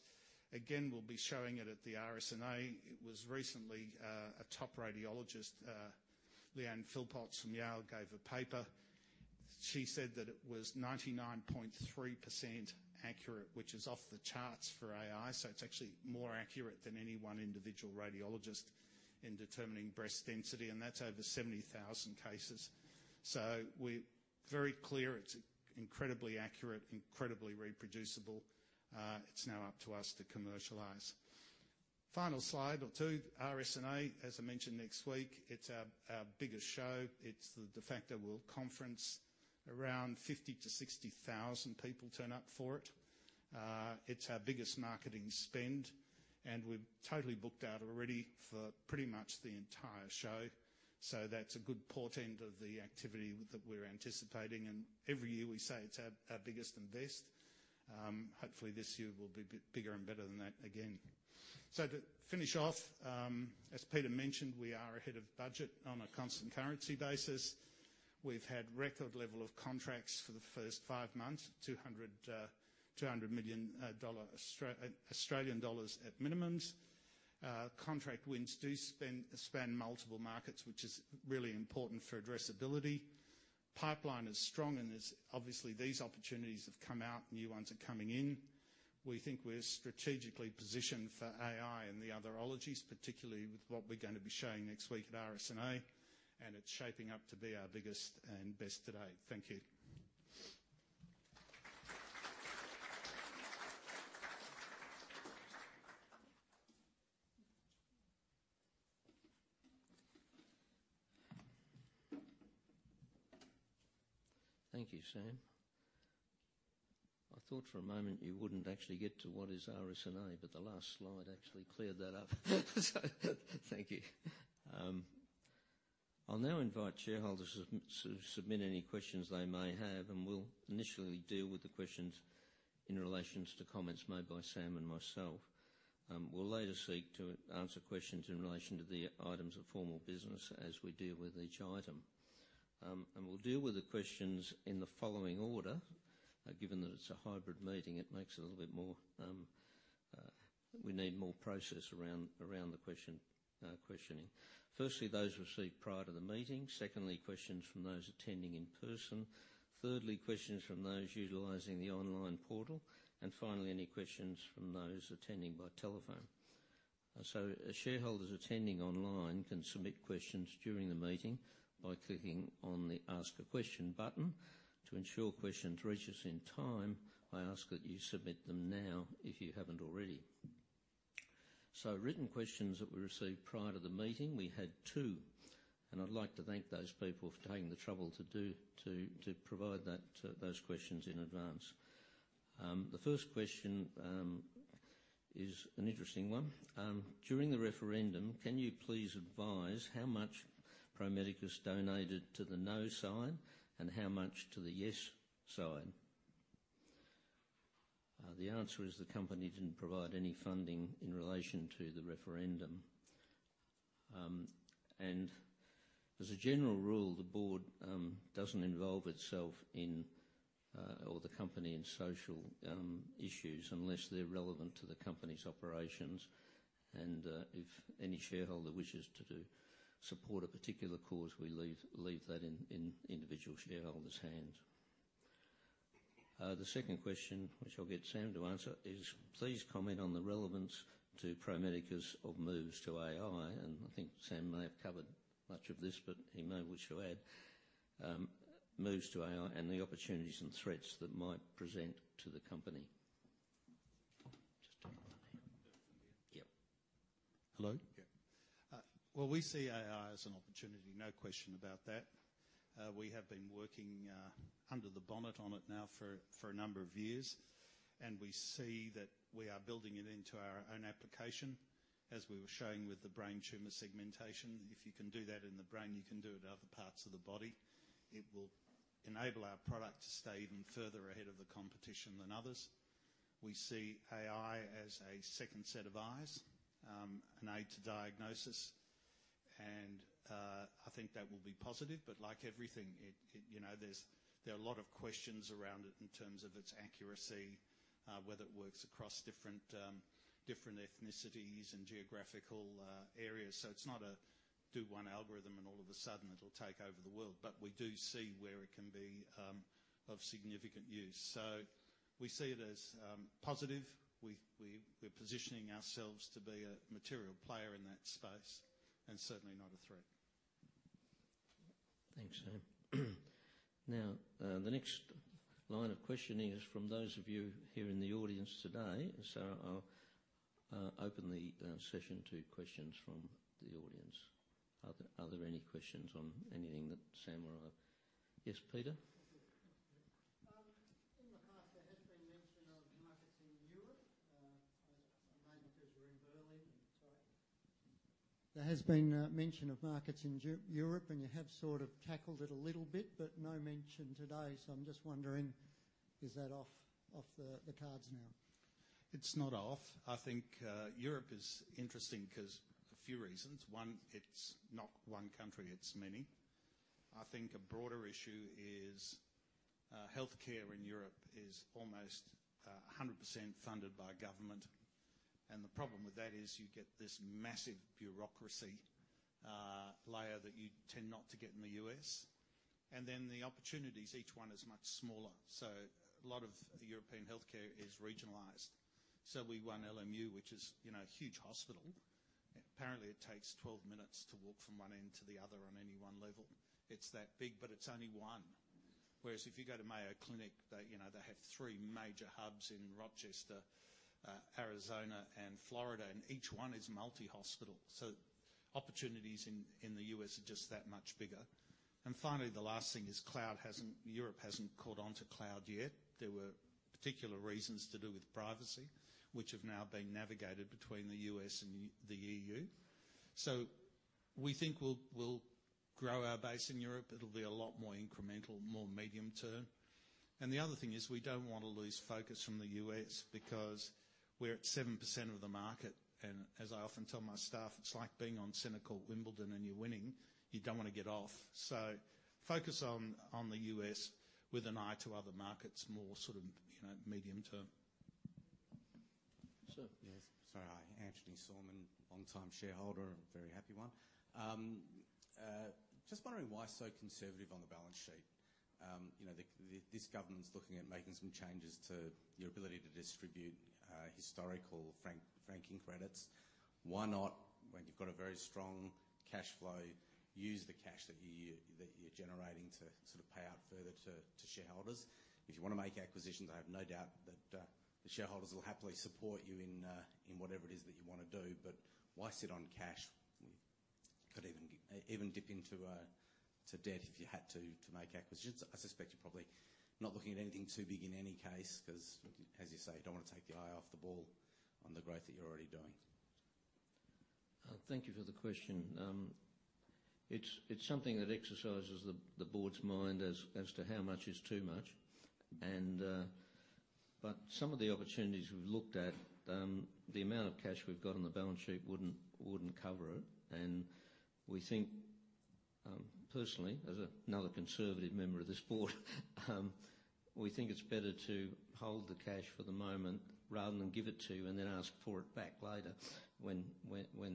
Again, we'll be showing it at the RSNA. It was recently. A top radiologist, Liane Philpotts from Yale, gave a paper. She said that it was 99.3% accurate, which is off the charts for AI, so it's actually more accurate than any one individual radiologist in determining breast density, and that's over 70,000 cases. So we're very clear it's incredibly accurate, incredibly reproducible. It's now up to us to commercialize. Final slide or two, RSNA, as I mentioned, next week. It's our biggest show. It's the de facto world conference. Around 50,000-60,000 people turn up for it. It's our biggest marketing spend, and we're totally booked out already for pretty much the entire show. So that's a good portent of the activity that we're anticipating, and every year we say it's our biggest and best. Hopefully, this year will be bit bigger and better than that again. So to finish off, as Peter mentioned, we are ahead of budget on a constant currency basis. We've had record level of contracts for the first five months, 200 million dollar at minimums. Contract wins span multiple markets, which is really important for addressability. Pipeline is strong, and as obviously, these opportunities have come out, new ones are coming in. We think we're strategically positioned for AI and the other ologies, particularly with what we're going to be showing next week at RSNA, and it's shaping up to be our biggest and best today. Thank you. Thank you, Sam. I thought for a moment you wouldn't actually get to what is RSNA, but the last slide actually cleared that up, so thank you. I'll now invite shareholders to submit any questions they may have, and we'll initially deal with the questions in relation to comments made by Sam and myself. We'll later seek to answer questions in relation to the items of formal business as we deal with each item. We'll deal with the questions in the following order. Given that it's a hybrid meeting, it makes it a little bit more... We need more process around the questioning. Firstly, those received prior to the meeting. Secondly, questions from those attending in person. Thirdly, questions from those utilizing the online portal. Finally, any questions from those attending by telephone. Shareholders attending online can submit questions during the meeting by clicking on the Ask a Question button. To ensure questions reach us in time, I ask that you submit them now if you haven't already. Written questions that we received prior to the meeting, we had two, and I'd like to thank those people for taking the trouble to provide those questions in advance. The first question is an interesting one. "During the referendum, can you please advise how much Pro Medicus donated to the no side and how much to the yes side?" The answer is the company didn't provide any funding in relation to the referendum. And as a general rule, the board doesn't involve itself in or the company in social issues, unless they're relevant to the company's operations. If any shareholder wishes to support a particular cause, we leave that in individual shareholders' hands. The second question, which I'll get Sam to answer, is: "Please comment on the relevance to Pro Medicus of moves to AI," and I think Sam may have covered much of this, but he may wish to add. "Moves to AI and the opportunities and threats that might present to the company." Just over there. Yep. Hello? Yeah. Well, we see AI as an opportunity, no question about that. We have been working under the bonnet on it now for a number of years, and we see that we are building it into our own application, as we were showing with the brain tumor segmentation. If you can do that in the brain, you can do it in other parts of the body. It will enable our product to stay even further ahead of the competition than others. We see AI as a second set of eyes, an aid to diagnosis, and I think that will be positive. But like everything, it you know, there are a lot of questions around it in terms of its accuracy, whether it works across different different ethnicities and geographical areas. So it's not a do one algorithm and all of a sudden it'll take over the world, but we do see where it can be of significant use. So we see it as positive. We're positioning ourselves to be a material player in that space and certainly not a threat. Thanks, Sam. Now, the next line of questioning is from those of you here in the audience today. So I'll open the session to questions from the audience. Are there any questions on anything that Sam or I... Yes, Peter? Thank you. In the past, there has been mention of markets in Europe, maybe because we're in Berlin. Sorry. There has been mention of markets in Europe, and you have sort of tackled it a little bit, but no mention today, so I'm just wondering, is that off the cards now? It's not off. I think Europe is interesting 'cause a few reasons. One, it's not one country, it's many. I think a broader issue is healthcare in Europe is almost 100% funded by government, and the problem with that is you get this massive bureaucracy layer that you tend not to get in the U.S. And then the opportunities, each one is much smaller. So a lot of the European healthcare is regionalized. So we won LMU, which is, you know, a huge hospital. Apparently, it takes 12 minutes to walk from one end to the other on any one level. It's that big, but it's only one. Whereas if you go to Mayo Clinic, they, you know, they have three major hubs in Rochester, Arizona and Florida, and each one is multi-hospital. So opportunities in the U.S. are just that much bigger. And finally, the last thing is cloud hasn't... Europe hasn't caught on to cloud yet. There were particular reasons to do with privacy, which have now been navigated between the U.S. and the E.U. So we think we'll grow our base in Europe. It'll be a lot more incremental, more medium term. And the other thing is, we don't want to lose focus from the U.S. because we're at 7% of the market, and as I often tell my staff, it's like being on Centre Court Wimbledon and you're winning, you don't want to get off. So focus on the U.S. with an eye to other markets, more sort of, you know, medium term. Sir? Yes. Sorry. Hi, Anthony Sormann, longtime shareholder and a very happy one. Just wondering why so conservative on the balance sheet? You know, this government's looking at making some changes to your ability to distribute historical franking credits. Why not, when you've got a very strong cash flow, use the cash that you're generating to sort of pay out further to shareholders? If you wanna make acquisitions, I have no doubt that the shareholders will happily support you in whatever it is that you wanna do, but why sit on cash? You could even dip into debt if you had to, to make acquisitions. I suspect you're probably not looking at anything too big in any case, 'cause, as you say, you don't want to take the eye off the ball on the growth that you're already doing. Thank you for the question. It's something that exercises the board's mind as to how much is too much. But some of the opportunities we've looked at, the amount of cash we've got on the balance sheet wouldn't cover it, and we think, personally, as another conservative member of this board, we think it's better to hold the cash for the moment rather than give it to you and then ask for it back later when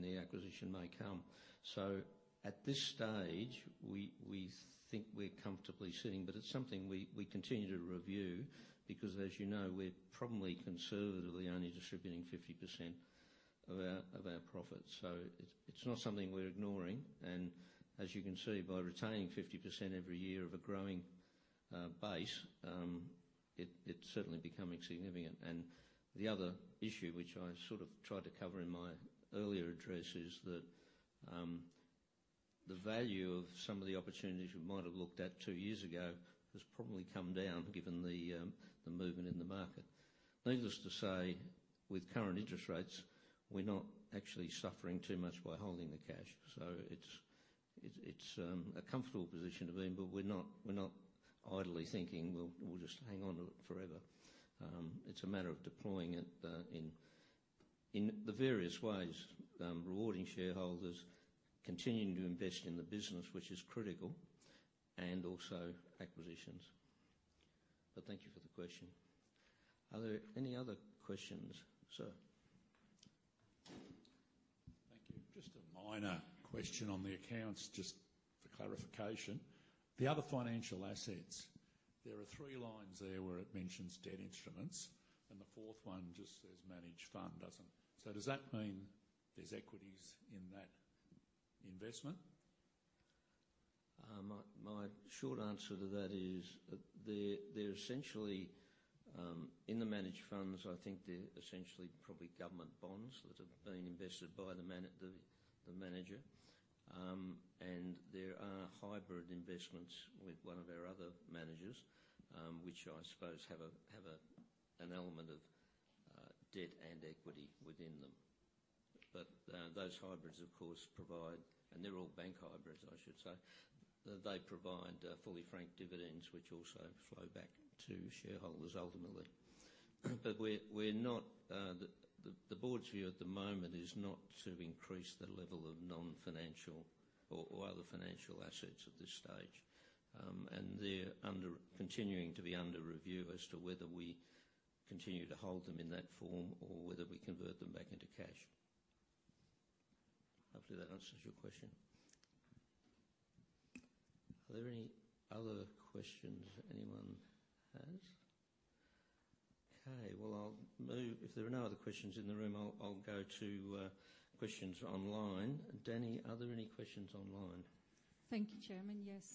the acquisition may come. So at this stage, we think we're comfortably sitting, but it's something we continue to review, because, as you know, we're probably conservatively only distributing 50% of our profits. So it's not something we're ignoring. And as you can see, by retaining 50% every year of a growing base. It's certainly becoming significant. And the other issue, which I sort of tried to cover in my earlier address, is that, the value of some of the opportunities you might have looked at two years ago has probably come down, given the the movement in the market. Needless to say, with current interest rates, we're not actually suffering too much by holding the cash, so it's a comfortable position to be in, but we're not idly thinking, "Well, we'll just hang on to it forever." It's a matter of deploying it in the various ways, rewarding shareholders, continuing to invest in the business, which is critical, and also acquisitions. But thank you for the question. Are there any other questions, Sir? Thank you. Just a minor question on the accounts, just for clarification. The other financial assets, there are three lines there where it mentions debt instruments, and the fourth one just says managed fund, doesn't...? So does that mean there's equities in that investment? My short answer to that is they're essentially in the managed funds. I think they're essentially probably government bonds that have been invested by the manager. And there are hybrid investments with one of our other managers, which I suppose have an element of debt and equity within them. But those hybrids, of course, provide... And they're all bank hybrids, I should say. They provide fully franked dividends, which also flow back to shareholders ultimately. But we're not, the board's view at the moment is not to increase the level of non-financial or other financial assets at this stage. And they're continuing to be under review as to whether we continue to hold them in that form or whether we convert them back into cash. Hopefully, that answers your question. Are there any other questions anyone has? Okay, well, I'll move. If there are no other questions in the room, I'll go to questions online. Danny, are there any questions online? Thank you, Chairman. Yes.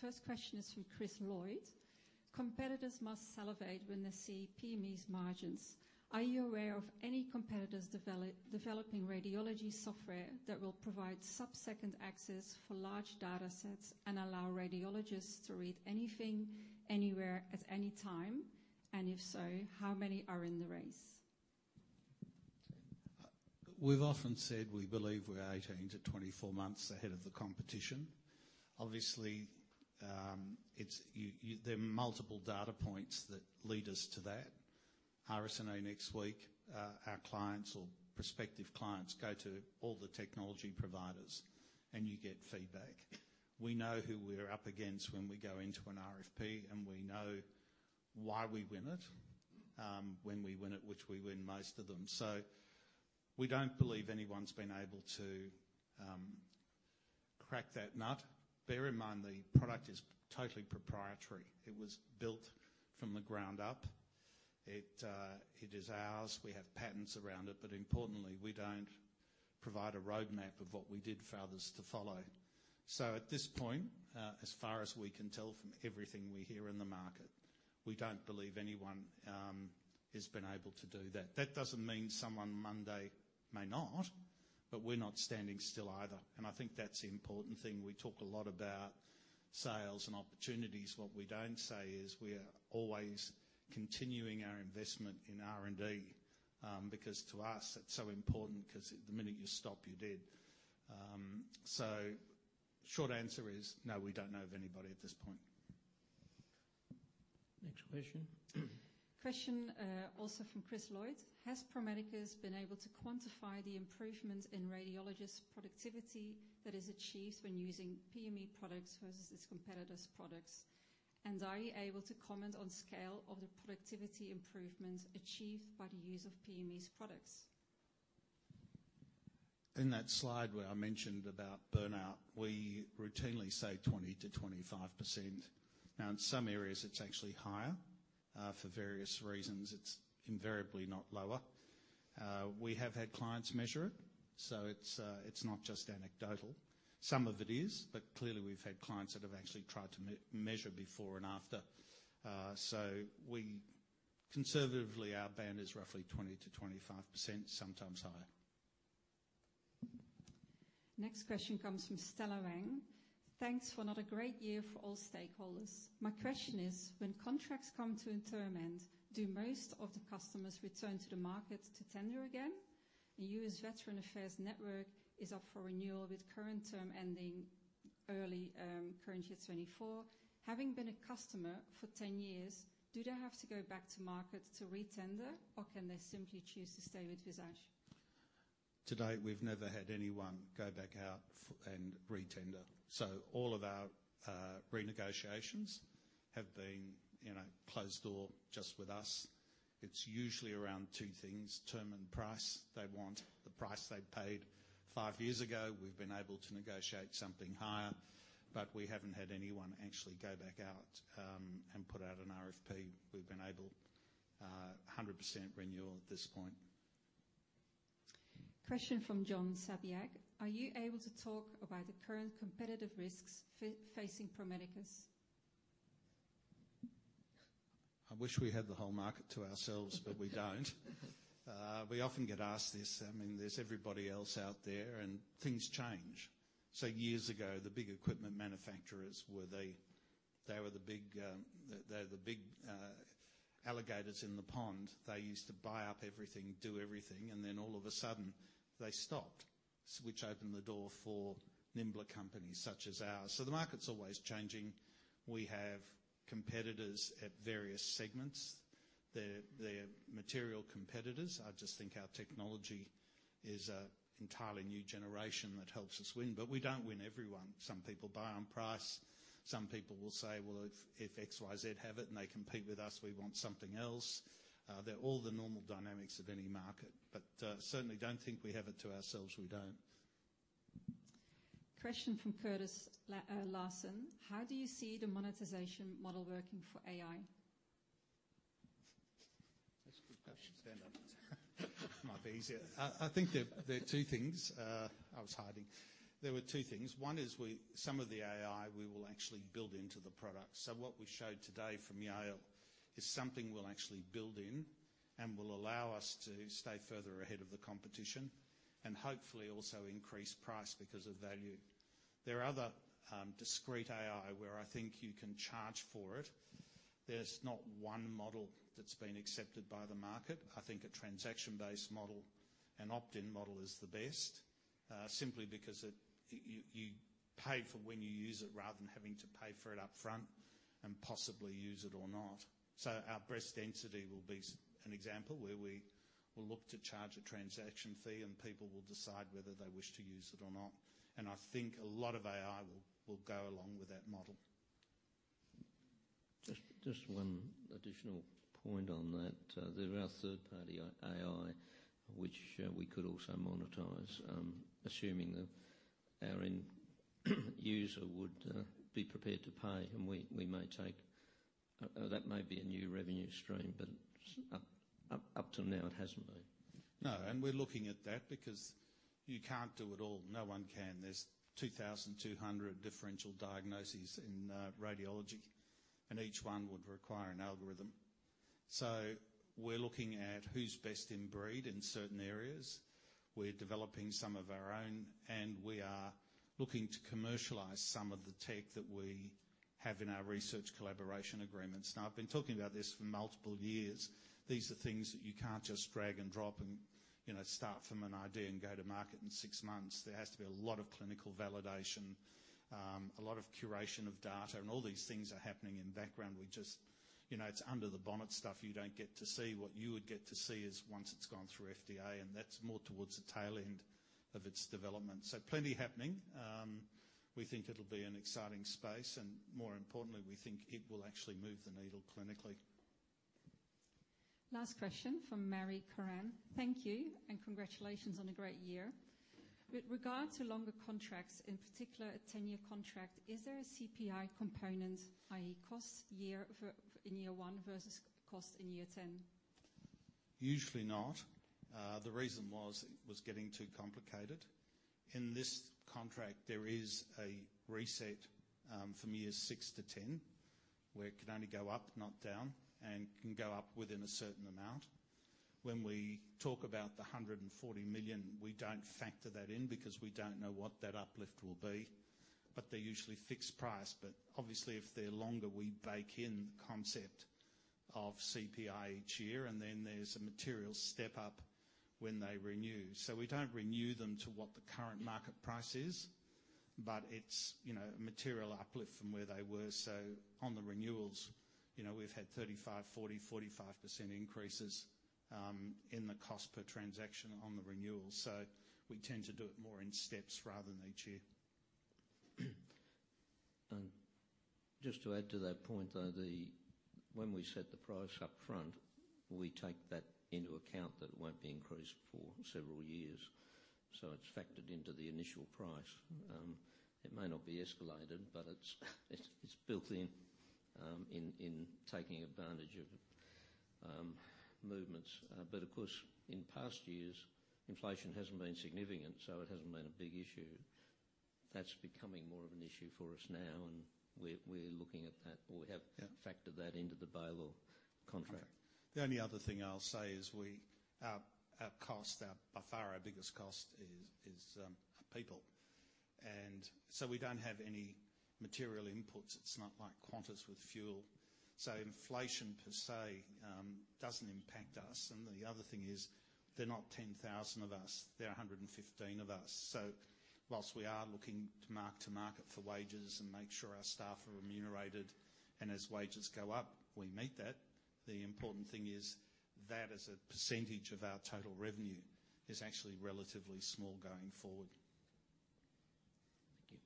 First question is from Chris Lloyd. "Competitors must salivate when they see PME's margins. Are you aware of any competitors developing radiology software that will provide sub-second access for large data sets and allow radiologists to read anything, anywhere, at any time? And if so, how many are in the race? We've often said we believe we're 18-24 months ahead of the competition. Obviously, it's there are multiple data points that lead us to that. RSNA next week, our clients or prospective clients go to all the technology providers, and you get feedback. We know who we're up against when we go into an RFP, and we know why we win it, when we win it, which we win most of them. So we don't believe anyone's been able to crack that nut. Bear in mind, the product is totally proprietary. It was built from the ground up. It is ours. We have patents around it, but importantly, we don't provide a roadmap of what we did for others to follow. So at this point, as far as we can tell from everything we hear in the market, we don't believe anyone has been able to do that. That doesn't mean someone Monday may not, but we're not standing still either, and I think that's the important thing. We talk a lot about sales and opportunities. What we don't say is we are always continuing our investment in R&D, because to us, that's so important, 'cause the minute you stop, you're dead. So short answer is, no, we don't know of anybody at this point. Next question. Question, also from Chris Lloyd: Has Pro Medicus been able to quantify the improvements in radiologists' productivity that is achieved when using PME products versus its competitors' products? And are you able to comment on scale of the productivity improvements achieved by the use of PME's products? In that slide where I mentioned about burnout, we routinely say 20%-25%. Now, in some areas, it's actually higher. For various reasons, it's invariably not lower. We have had clients measure it, so it's not just anecdotal. Some of it is, but clearly, we've had clients that have actually tried to measure before and after. So, conservatively, our band is roughly 20%-25%, sometimes higher. Next question comes from Stella Wang: Thanks for another great year for all stakeholders. My question is, when contracts come to a term end, do most of the customers return to the market to tender again? The U.S. Veterans Affairs Network is up for renewal, with current term ending early, current year 2024. Having been a customer for 10 years, do they have to go back to market to re-tender, or can they simply choose to stay with Visage? To date, we've never had anyone go back out and re-tender, so all of our renegotiations have been, you know, closed door, just with us. It's usually around two things, term and price. They want the price they paid five years ago. We've been able to negotiate something higher, but we haven't had anyone actually go back out and put out an RFP. We've been able 100% renewal at this point. Question from John Sabiak: Are you able to talk about the current competitive risks facing Pro Medicus? I wish we had the whole market to ourselves, but we don't. We often get asked this. I mean, there's everybody else out there, and things change. So years ago, the big equipment manufacturers were the big alligators in the pond. They used to buy up everything, do everything, and then all of a sudden, they stopped, which opened the door for nimbler companies such as ours. So the market's always changing. We have competitors at various segments. They're material competitors. I just think our technology is an entirely new generation that helps us win, but we don't win every one. Some people buy on price. Some people will say, "Well, if XYZ have it, and they compete with us, we want something else." They're all the normal dynamics of any market, but certainly don't think we have it to ourselves. We don't. Question from Curtis Larson: How do you see the monetization model working for AI? That's a good question. Stand up. Might be easier. I think there are two things. I was hiding. There were two things. One is we, some of the AI, we will actually build into the product. So what we showed today from Yale is something we'll actually build in and will allow us to stay further ahead of the competition and hopefully also increase price because of value. There are other, discrete AI where I think you can charge for it. There's not one model that's been accepted by the market. I think a transaction-based model and opt-in model is the best, simply because it, you pay for when you use it, rather than having to pay for it upfront and possibly use it or not. Our Breast Density will be an example, where we will look to charge a transaction fee, and people will decide whether they wish to use it or not, and I think a lot of AI will go along with that model. Just one additional point on that. There are third-party AI, which we could also monetize, assuming that our end user would be prepared to pay, and we may take... That may be a new revenue stream, but up till now, it hasn't been. No, and we're looking at that because you can't do it all. No one can. There's 2,200 differential diagnoses in radiology, and each one would require an algorithm. So we're looking at who's best in breed in certain areas. We're developing some of our own, and we are looking to commercialize some of the tech that we have in our research collaboration agreements. Now, I've been talking about this for multiple years. These are things that you can't just drag and drop and, you know, start from an idea and go to market in six months. There has to be a lot of clinical validation, a lot of curation of data, and all these things are happening in background. We just... You know, it's under the bonnet stuff you don't get to see. What you would get to see is once it's gone through FDA, and that's more towards the tail end of its development. Plenty happening. We think it'll be an exciting space, and more importantly, we think it will actually move the needle clinically. Last question from Mary Koran. Thank you, and congratulations on a great year. With regard to longer contracts, in particular, a 10-year contract, is there a CPI component, i.e., cost year for, in year 1 versus cost in year 10? Usually not. The reason was, it was getting too complicated. In this contract, there is a reset from years 6-10, where it can only go up, not down, and can go up within a certain amount. When we talk about the 140 million, we don't factor that in, because we don't know what that uplift will be, but they're usually fixed price. But obviously, if they're longer, we bake in the concept of CPI each year, and then there's a material step up when they renew. So we don't renew them to what the current market price is, but it's, you know, a material uplift from where they were. So on the renewals, you know, we've had 35%, 40%, 45% increases in the cost per transaction on the renewal. So we tend to do it more in steps rather than each year. And just to add to that point, though, when we set the price up front, we take that into account that it won't be increased for several years, so it's factored into the initial price. It may not be escalated, but it's built in, in taking advantage of movements. But of course, in past years, inflation hasn't been significant, so it hasn't been a big issue. That's becoming more of an issue for us now, and we're looking at that, or we have- Yeah... factored that into the Baylor contract. The only other thing I'll say is our by far biggest cost is people. And so we don't have any material inputs. It's not like Qantas with fuel, so inflation per se doesn't impact us. And the other thing is, there are not 10,000 of us, there are 115 of us. So whilst we are looking to mark to market for wages and make sure our staff are remunerated, and as wages go up, we meet that. The important thing is that as a percentage of our total revenue is actually relatively small going forward. Thank you.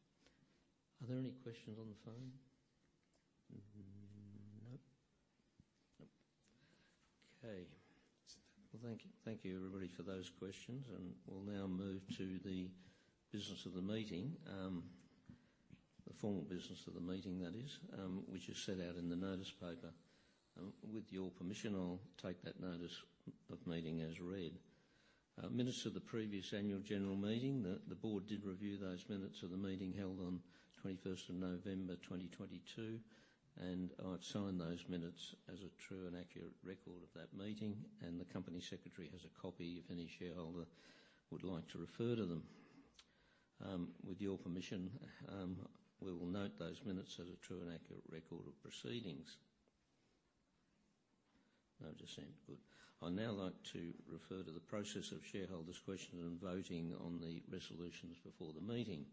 Are there any questions on the phone? Mm, nope. Nope. Okay. Well, thank you everybody for those questions, and we'll now move to the business of the meeting. The formal business of the meeting, that is, which is set out in the notice paper. With your permission, I'll take that notice of meeting as read. Minutes of the previous annual general meeting, the board did review those minutes of the meeting held on 21st of November, 2022, and I've signed those minutes as a true and accurate record of that meeting, and the company secretary has a copy if any shareholder would like to refer to them. With your permission, we will note those minutes as a true and accurate record of proceedings. No dissent. Good. I'd now like to refer to the process of shareholders' questions and voting on the resolutions before the meeting.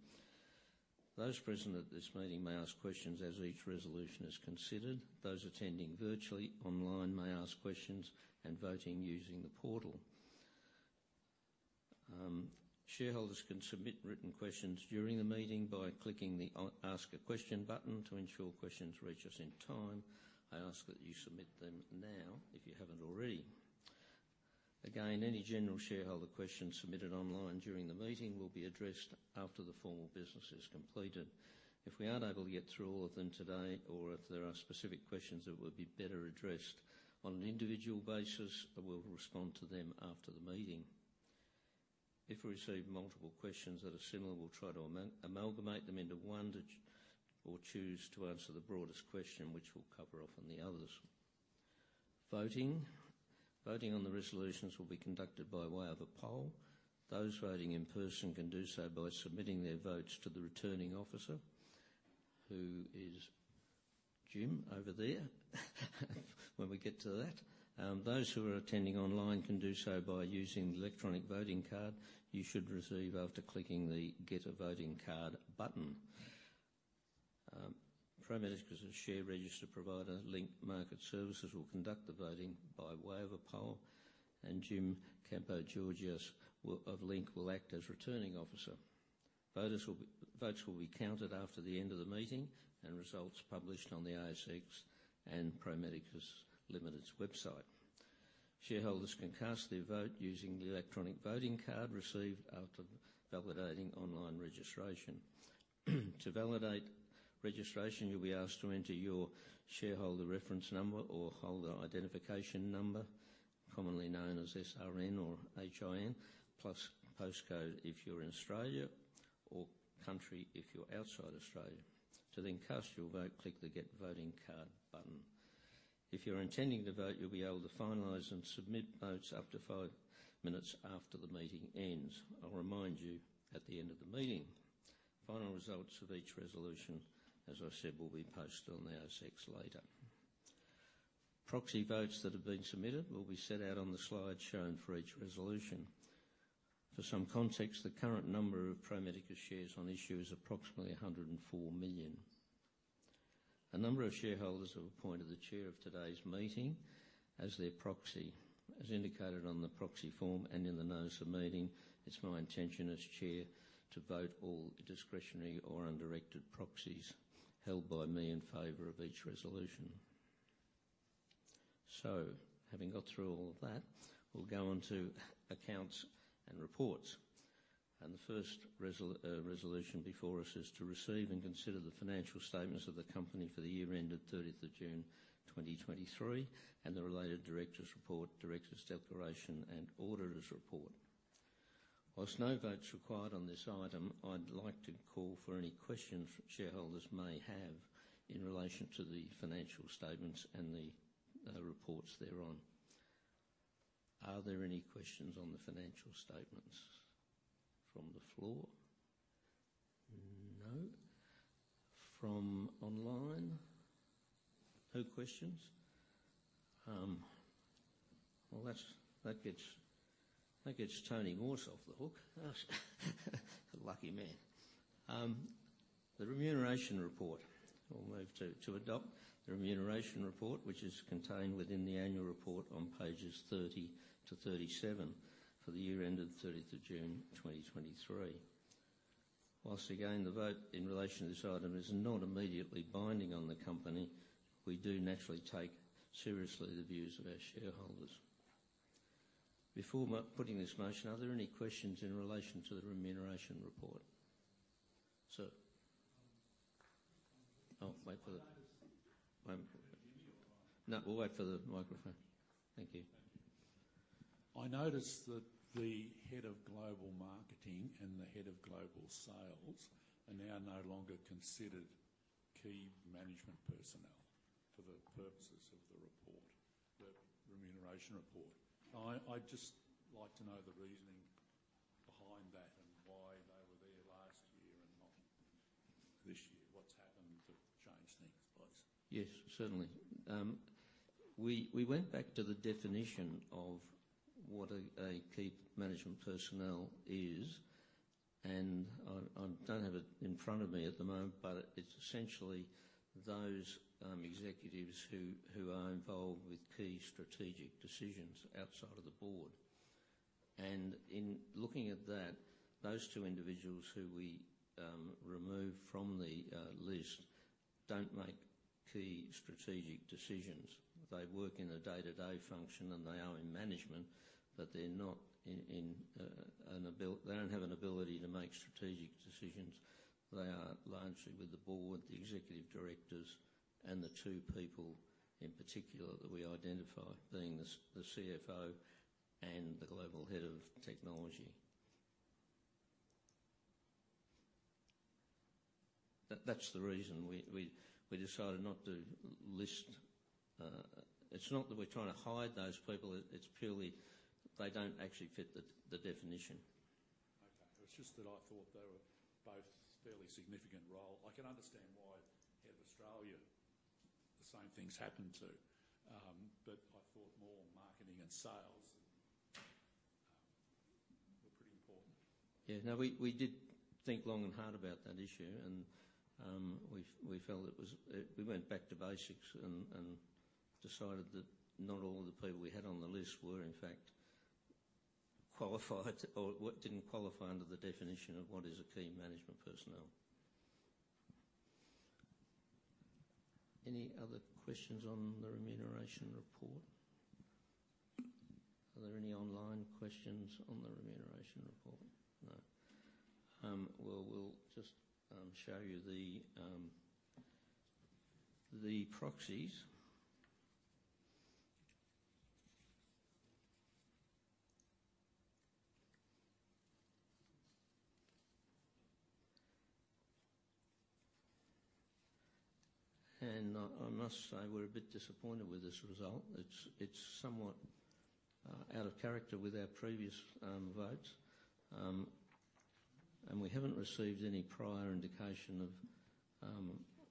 Those present at this meeting may ask questions as each resolution is considered. Those attending virtually online may ask questions and voting using the portal. Shareholders can submit written questions during the meeting by clicking the Ask a Question button. To ensure questions reach us in time, I ask that you submit them now, if you haven't already. Again, any general shareholder questions submitted online during the meeting will be addressed after the formal business is completed. If we aren't able to get through all of them today, or if there are specific questions that would be better addressed on an individual basis, I will respond to them after the meeting. If we receive multiple questions that are similar, we'll try to amalgamate them into one or choose to answer the broadest question, which will cover off on the others. Voting on the resolutions will be conducted by way of a poll. Those voting in person can do so by submitting their votes to the returning officer, who is Jim, over there, when we get to that. Those who are attending online can do so by using the electronic voting card you should receive after clicking the Get A Voting Card button. Pro Medicus' share register provider, Link Market Services, will conduct the voting by way of a poll, and Jim Kompogiorgas, of Link, will act as Returning Officer. Votes will be counted after the end of the meeting, and results published on the ASX and Pro Medicus Limited's website. Shareholders can cast their vote using the electronic voting card received after validating online registration. To validate registration, you'll be asked to enter your shareholder reference number or holder identification number, commonly known as SRN or HIN, plus post code if you're in Australia or country, if you're outside Australia. To then cast your vote, click the Get Voting Card button. If you're intending to vote, you'll be able to finalize and submit votes up to five minutes after the meeting ends. I'll remind you at the end of the meeting. Final results of each resolution, as I said, will be posted on the ASX later. Proxy votes that have been submitted will be set out on the slide shown for each resolution. For some context, the current number of Pro Medicus shares on issue is approximately 104 million. A number of shareholders have appointed the chair of today's meeting as their proxy. As indicated on the proxy form and in the notice of meeting, it's my intention as chair to vote all discretionary or undirected proxies held by me in favor of each resolution. Having got through all of that, we'll go on to accounts and reports. The first resolution before us is to receive and consider the financial statements of the company for the year ended 30th of June, 2023, and the related directors' report, directors' declaration, and auditors' report. While no vote's required on this item, I'd like to call for any questions shareholders may have in relation to the financial statements and the reports thereon. Are there any questions on the financial statements from the floor? No.From online? No questions. Well, that's, that gets Tony Morse off the hook. The lucky man. The remuneration report. I'll move to adopt the remuneration report, which is contained within the annual report on pages 30-37 for the year ended thirtieth of June 2023. Once again, the vote in relation to this item is not immediately binding on the company. We do naturally take seriously the views of our shareholders. Before putting this motion, are there any questions in relation to the remuneration report? Sir. Oh, wait for the- I noticed- Wait. No, we'll wait for the microphone. Thank you. I noticed that the Head of Global Marketing and the Head of Global Sales are now no longer considered key management personnel for the purposes of the report, the remuneration report. I, I'd just like to know the reasoning behind that and why they were there last year and not this year. What's happened to change things, please? Yes, certainly. We went back to the definition of what a key management personnel is, and I don't have it in front of me at the moment, but it's essentially those executives who are involved with key strategic decisions outside of the board. And in looking at that, those two individuals who we removed from the list don't make key strategic decisions. They work in a day-to-day function, and they are in management, but they don't have an ability to make strategic decisions. They are largely with the board, the executive directors, and the two people in particular that we identify, being the CFO and the Global Head of Technology. That's the reason we decided not to list. It's not that we're trying to hide those people. It's purely they don't actually fit the definition. Okay. It's just that I thought they were both fairly significant role. I can understand why Head of Australia, the same things happened to, but I thought more marketing and sales were pretty important. Yeah. No, we did think long and hard about that issue, and we felt it was... We went back to basics and decided that not all of the people we had on the list were, in fact, qualified or didn't qualify under the definition of what is a key management personnel. Any other questions on the remuneration report? Are there any online questions on the remuneration report? No. Well, we'll just show you the proxies. And I must say, we're a bit disappointed with this result. It's somewhat out of character with our previous votes. And we haven't received any prior indication of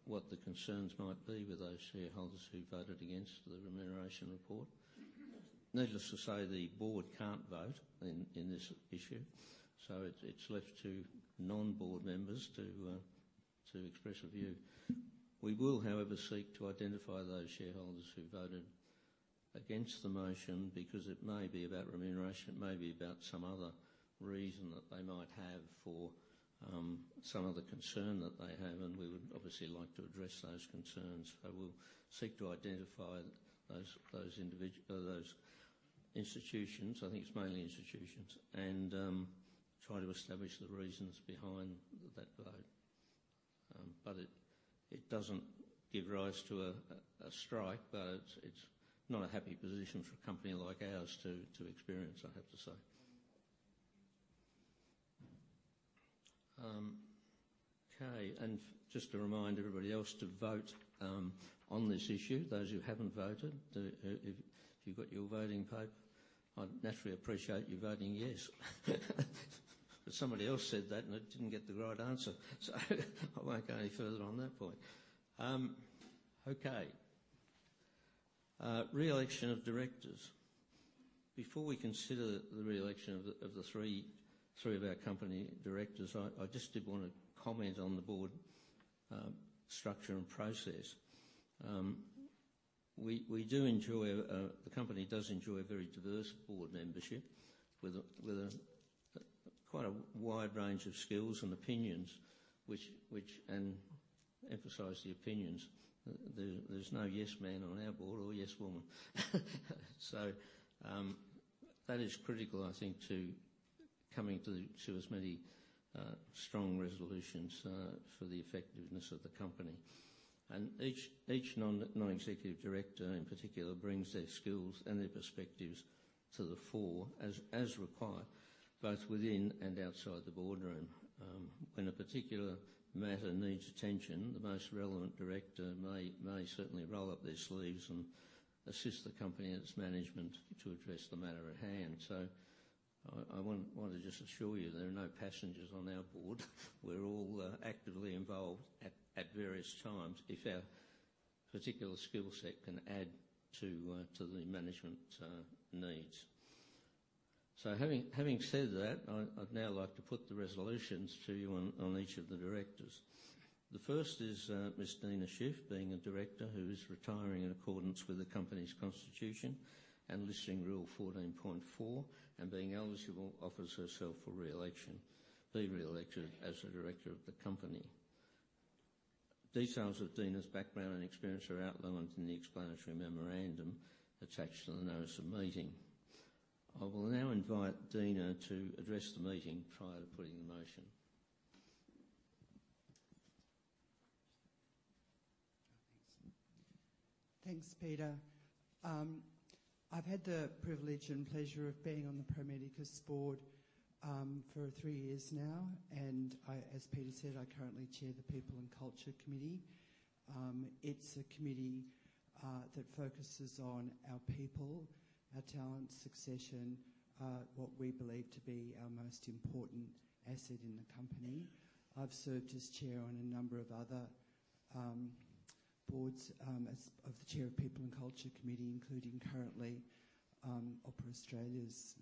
what the concerns might be with those shareholders who voted against the remuneration report. Needless to say, the board can't vote in this issue, so it's left to non-board members to express a view. We will, however, seek to identify those shareholders who voted against the motion, because it may be about remuneration, it may be about some other reason that they might have for some other concern that they have, and we would obviously like to address those concerns. So we'll seek to identify those individuals or those institutions, I think it's mainly institutions, and try to establish the reasons behind that vote. But it doesn't give rise to a strike, but it's not a happy position for a company like ours to experience, I have to say. Okay, and just to remind everybody else to vote on this issue, those who haven't voted. If you've got your voting paper, I'd naturally appreciate you voting yes. But somebody else said that, and it didn't get the right answer, so I won't go any further on that point. Okay. Re-election of directors. Before we consider the re-election of the three of our company directors, I just did want to comment on the board structure and process. The company does enjoy a very diverse board membership, with a quite a wide range of skills and opinions, which and emphasize the opinions. There's no "yes" man on our board, or "yes" woman. So, that is critical, I think, to coming to as many strong resolutions for the effectiveness of the company. Each non-executive director in particular brings their skills and their perspectives to the fore, as required, both within and outside the boardroom. When a particular matter needs attention, the most relevant director may certainly roll up their sleeves and assist the company and its management to address the matter at hand. I want to just assure you there are no passengers on our board. We're all actively involved at various times if our particular skill set can add to the management needs. Having said that, I'd now like to put the resolutions to you on each of the directors. The first is Ms. Deena Shiff, being a director who is retiring in accordance with the company's constitution and Listing Rule 14.4, and being eligible, offers herself for re-election, be re-elected as a director of the company. Details of Deena's background and experience are outlined in the explanatory memorandum attached to the notice of meeting. I will now invite Deena to address the meeting prior to putting the motion. Thanks, Peter. I've had the privilege and pleasure of being on the Pro Medicus board for three years now, and as Peter said, I currently chair the People and Culture Committee. It's a committee that focuses on our people, our talent, succession, what we believe to be our most important asset in the company. I've served as chair on a number of other boards as chair of the People and Culture Committee, including currently Opera Australia's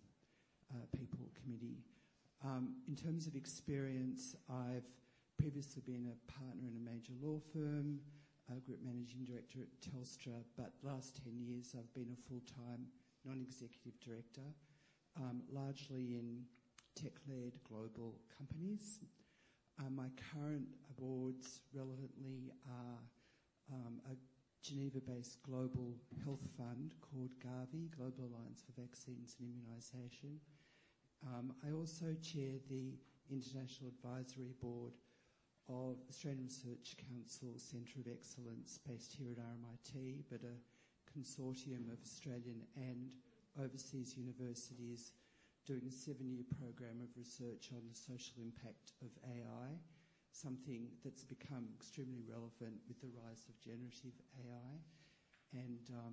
People Committee. In terms of experience, I've previously been a partner in a major law firm, a group managing director at Telstra, but last 10 years I've been a full-time non-executive director, largely in tech-led global companies. My current boards relevantly are a Geneva-based global health fund called Gavi, Global Alliance for Vaccines and Immunization. I also chair the International Advisory Board of Australian Research Council Centre of Excellence, based here at RMIT, but a consortium of Australian and overseas universities doing a seven-year program of research on the social impact of AI, something that's become extremely relevant with the rise of generative AI, and, I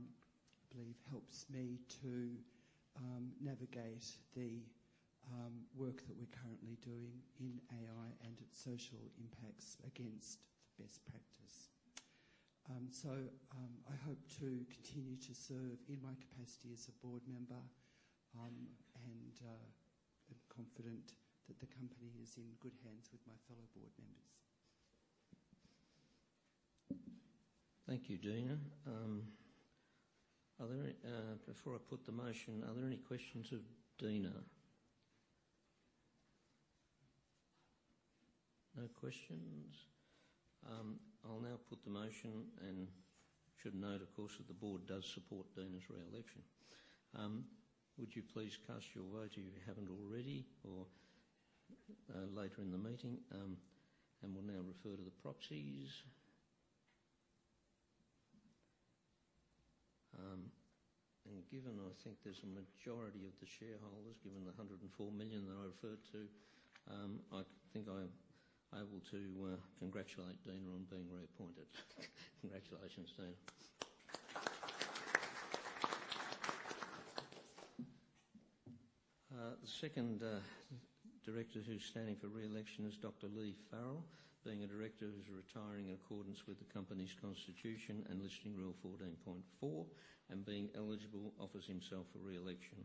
believe, helps me to navigate the work that we're currently doing in AI and its social impacts against best practice. So, I hope to continue to serve in my capacity as a board member, and I'm confident that the company is in good hands with my fellow board members. Thank you, Deena. Are there any... Before I put the motion, are there any questions of Deena? No questions. I'll now put the motion and should note, of course, that the board does support Deena's re-election. Would you please cast your vote if you haven't already, or later in the meeting? And we'll now refer to the proxies. And given I think there's a majority of the shareholders, given the 104 million that I referred to, I think I'm able to congratulate Deena on being reappointed. Congratulations, Deena. The second director, who's standing for re-election is Dr. Leigh Farrell. Being a director who's retiring in accordance with the company's constitution and Listing Rule 14.4, and being eligible, offers himself for re-election,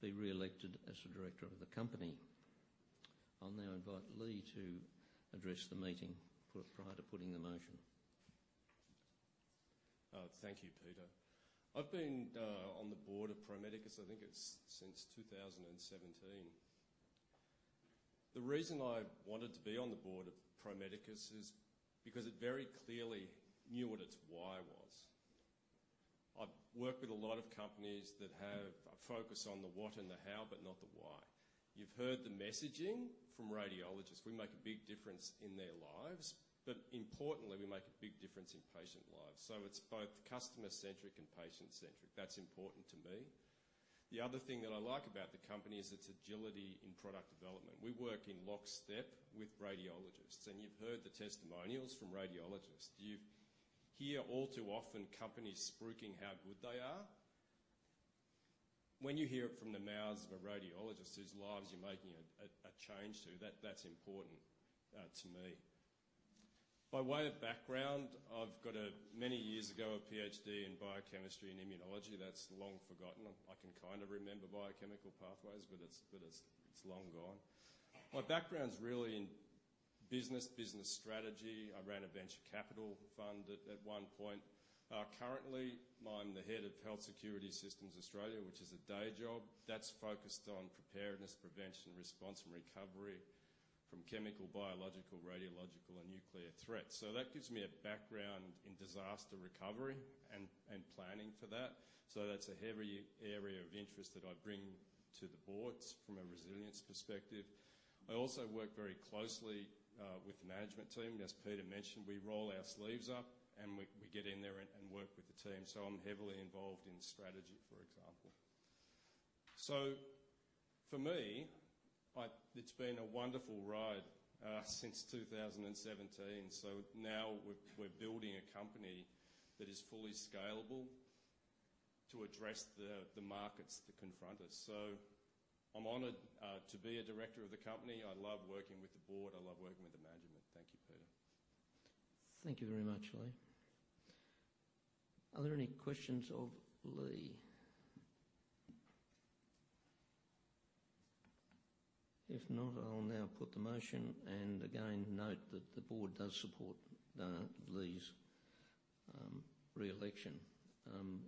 be re-elected as a director of the company. I'll now invite Leigh to address the meeting, prior to putting the motion. Thank you, Peter. I've been on the board of Pro Medicus, I think it's since 2017. The reason I wanted to be on the board of Pro Medicus is because it very clearly knew what its 'why' was. I've worked with a lot of companies that have a focus on the what and the how, but not the why. You've heard the messaging from radiologists. We make a big difference in their lives, but importantly, we make a big difference in patient lives. So it's both customer-centric and patient-centric. That's important to me. The other thing that I like about the company is its agility in product development. We work in lockstep with radiologists, and you've heard the testimonials from radiologists. You hear all too often, companies spruiking how good they are. When you hear it from the mouths of a radiologist whose lives you're making a change to, that's important to me. By way of background, I've got many years ago a Ph.D. in biochemistry and immunology. That's long forgotten. I can kind of remember biochemical pathways, but it's long gone. My background's really in business, business strategy. I ran a venture capital fund at one point. Currently, I'm the head of Health Security Systems Australia, which is a day job that's focused on preparedness, prevention, response, and recovery from chemical, biological, radiological, and nuclear threats. So that gives me a background in disaster recovery and planning for that. So that's a heavy area of interest that I bring to the boards from a resilience perspective. I also work very closely with the management team. As Peter mentioned, we roll our sleeves up, and we get in there and work with the team. So I'm heavily involved in strategy, for example. So for me, it's been a wonderful ride since 2017. So now we're building a company that is fully scalable to address the markets that confront us. So I'm honored to be a director of the company. I love working with the board. I love working with the management. Thank you, Peter. Thank you very much, Leigh. Are there any questions of Leigh? If not, I'll now put the motion and again note that the board does support Leigh's re-election.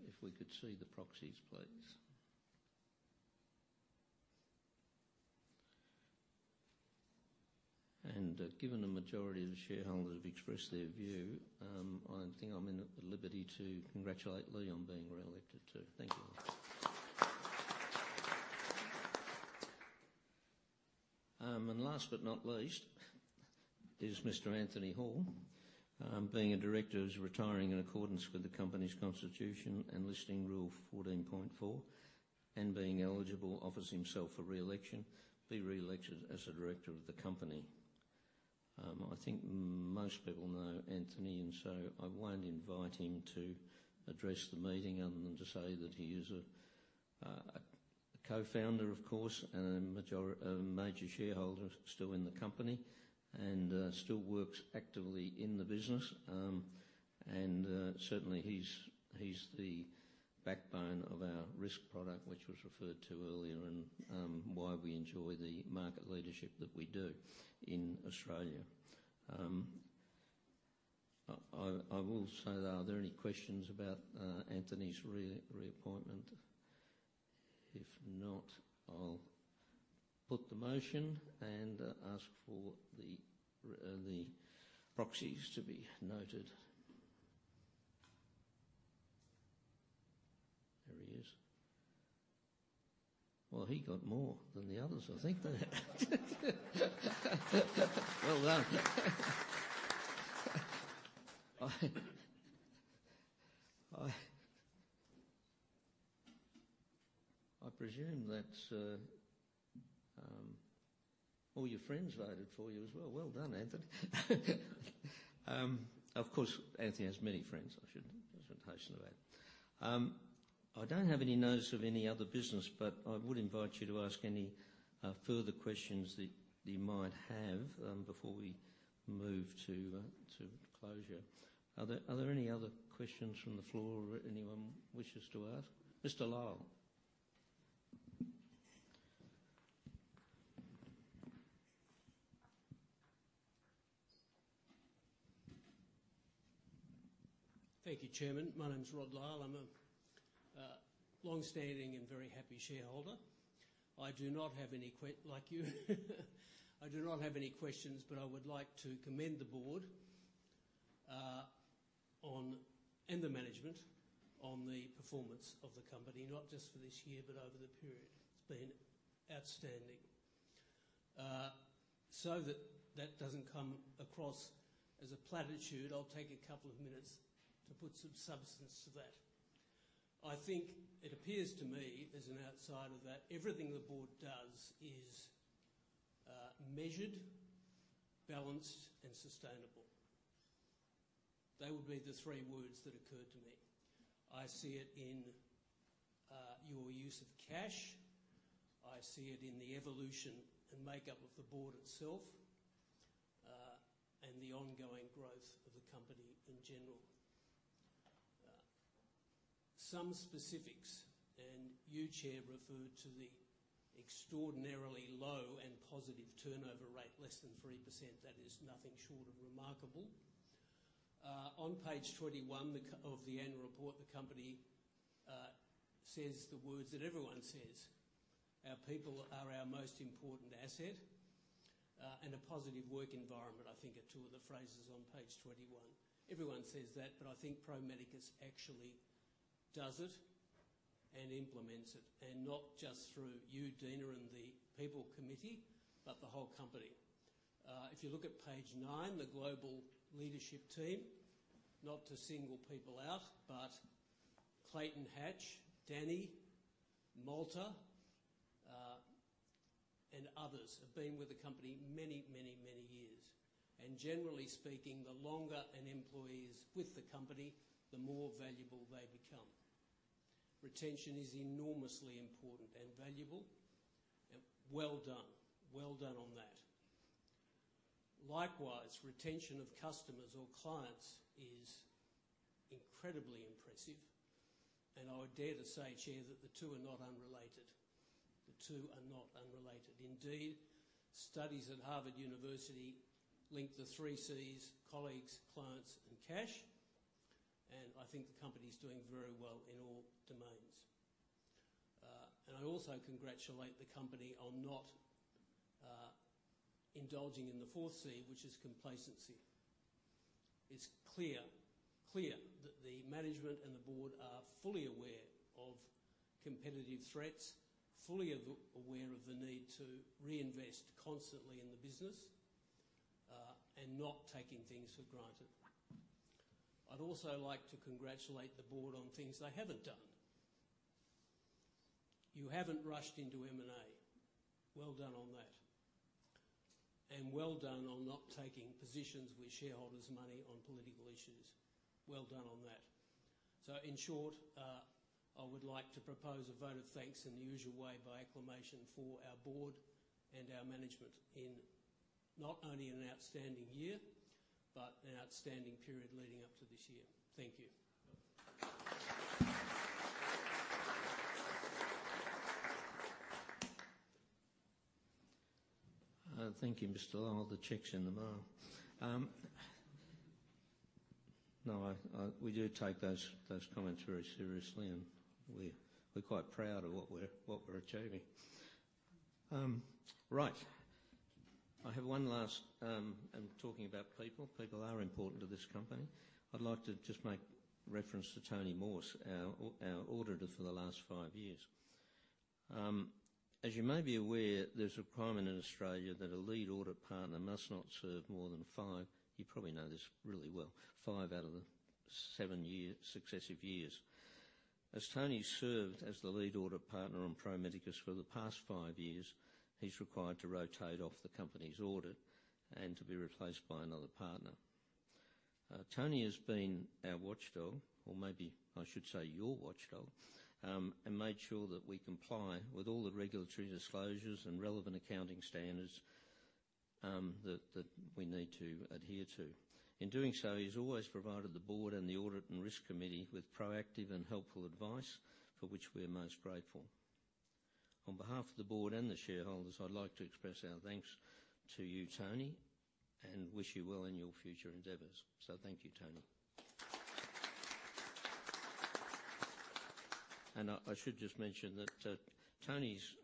If we could see the proxies, please. Given the majority of the shareholders have expressed their view, I think I'm in the liberty to congratulate Leigh on being re-elected, too. Thank you. And last but not least, is Mr. Anthony Hall. Being a director who's retiring in accordance with the company's constitution and Listing Rule 14.4, and being eligible, offers himself for re-election, be re-elected as a director of the company. I think most people know Anthony, and so I won't invite him to address the meeting other than to say that he is a co-founder, of course, and a major shareholder still in the company and still works actively in the business. Certainly he's the backbone of our RIS product, which was referred to earlier and why we enjoy the market leadership that we do in Australia. I will say, are there any questions about Anthony's reappointment? If not, I'll put the motion and ask for the proxies to be noted. There he is. Well, he got more than the others, I think they have. Well done. I presume that all your friends voted for you as well. Well done, Anthony. Of course, Anthony has many friends. I should hasten to add. I don't have any notice of any other business, but I would invite you to ask any further questions that you might have before we move to closure. Are there any other questions from the floor anyone wishes to ask? Mr. Lyle. Thank you, Chairman. My name is Rod Lyle. I'm a long-standing and very happy shareholder. I do not have any, like you. I do not have any questions, but I would like to commend the board and the management on the performance of the company, not just for this year, but over the period. It's been outstanding. So that that doesn't come across as a platitude, I'll take a couple of minutes to put some substance to that. I think it appears to me, as an outsider, that everything the board does is measured, balanced, and sustainable. They would be the three words that occur to me. I see it in your use of cash. I see it in the evolution and makeup of the board itself and the ongoing growth of the company in general. Some specifics, and you, Chair, referred to the extraordinarily low and positive turnover rate, less than 3%. That is nothing short of remarkable. On page 21 of the annual report, the company says the words that everyone says: "Our people are our most important asset," and, "A positive work environment," I think are two of the phrases on page 21. Everyone says that, but I think Pro Medicus actually does it and implements it, and not just through you, Deena, and the people committee, but the whole company. If you look at page 9, the global leadership team, not to single people out, but Clayton Hatch, Danny, Malte, and others have been with the company many, many, many years. And generally speaking, the longer an employee is with the company, the more valuable they become. Retention is enormously important and valuable, and well done. Well done on that. Likewise, retention of customers or clients is incredibly impressive, and I would dare to say, Chair, that the two are not unrelated. The two are not unrelated. Indeed, studies at Harvard University link the three Cs: colleagues, clients, and cash, and I think the company is doing very well in all domains. I also congratulate the company on not indulging in the fourth C, which is complacency. It's clear that the management and the board are fully aware of competitive threats, fully aware of the need to reinvest constantly in the business, and not taking things for granted. I'd also like to congratulate the board on things they haven't done. You haven't rushed into M&A. Well done on that, and well done on not taking positions with shareholders' money on political issues. Well done on that. So in short, I would like to propose a vote of thanks in the usual way, by acclamation for our board and our management in not only an outstanding year, but an outstanding period leading up to this year. Thank you. Thank you, Mr. Lyle. The check's in the mail. No, I, we do take those comments very seriously, and we're quite proud of what we're achieving. Right. I have one last, and talking about people. People are important to this company. I'd like to just make reference to Tony Morse, our auditor for the last five years. As you may be aware, there's a requirement in Australia that a lead audit partner must not serve more than five out of the seven-year successive years. As Tony served as the lead audit partner on Pro Medicus for the past five years, he's required to rotate off the company's audit and to be replaced by another partner. Tony has been our watchdog, or maybe I should say, your watchdog, and made sure that we comply with all the regulatory disclosures and relevant accounting standards, that we need to adhere to. In doing so, he's always provided the Board and the Audit and Risk Committee with proactive and helpful advice, for which we are most grateful. On behalf of the Board and the shareholders, I'd like to express our thanks to you, Tony, and wish you well in your future endeavors. So thank you, Tony. And I should just mention that, Tony's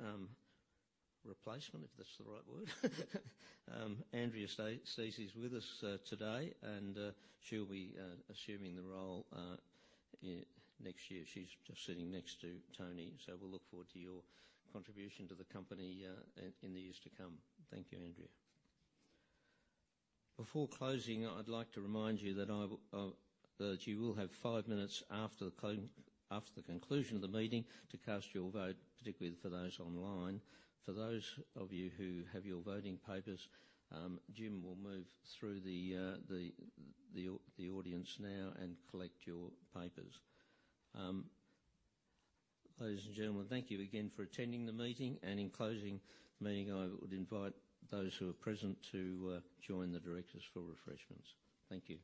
replacement, if that's the right word, Andrea Stacey is with us today, and she'll be assuming the role next year. She's just sitting next to Tony, so we'll look forward to your contribution to the company, in the years to come. Thank you, Andrea. Before closing, I'd like to remind you that you will have five minutes after the conclusion of the meeting to cast your vote, particularly for those online. For those of you who have your voting papers, Jim will move through the audience now and collect your papers. Ladies and gentlemen, thank you again for attending the meeting, and in closing the meeting, I would invite those who are present to join the directors for refreshments. Thank you.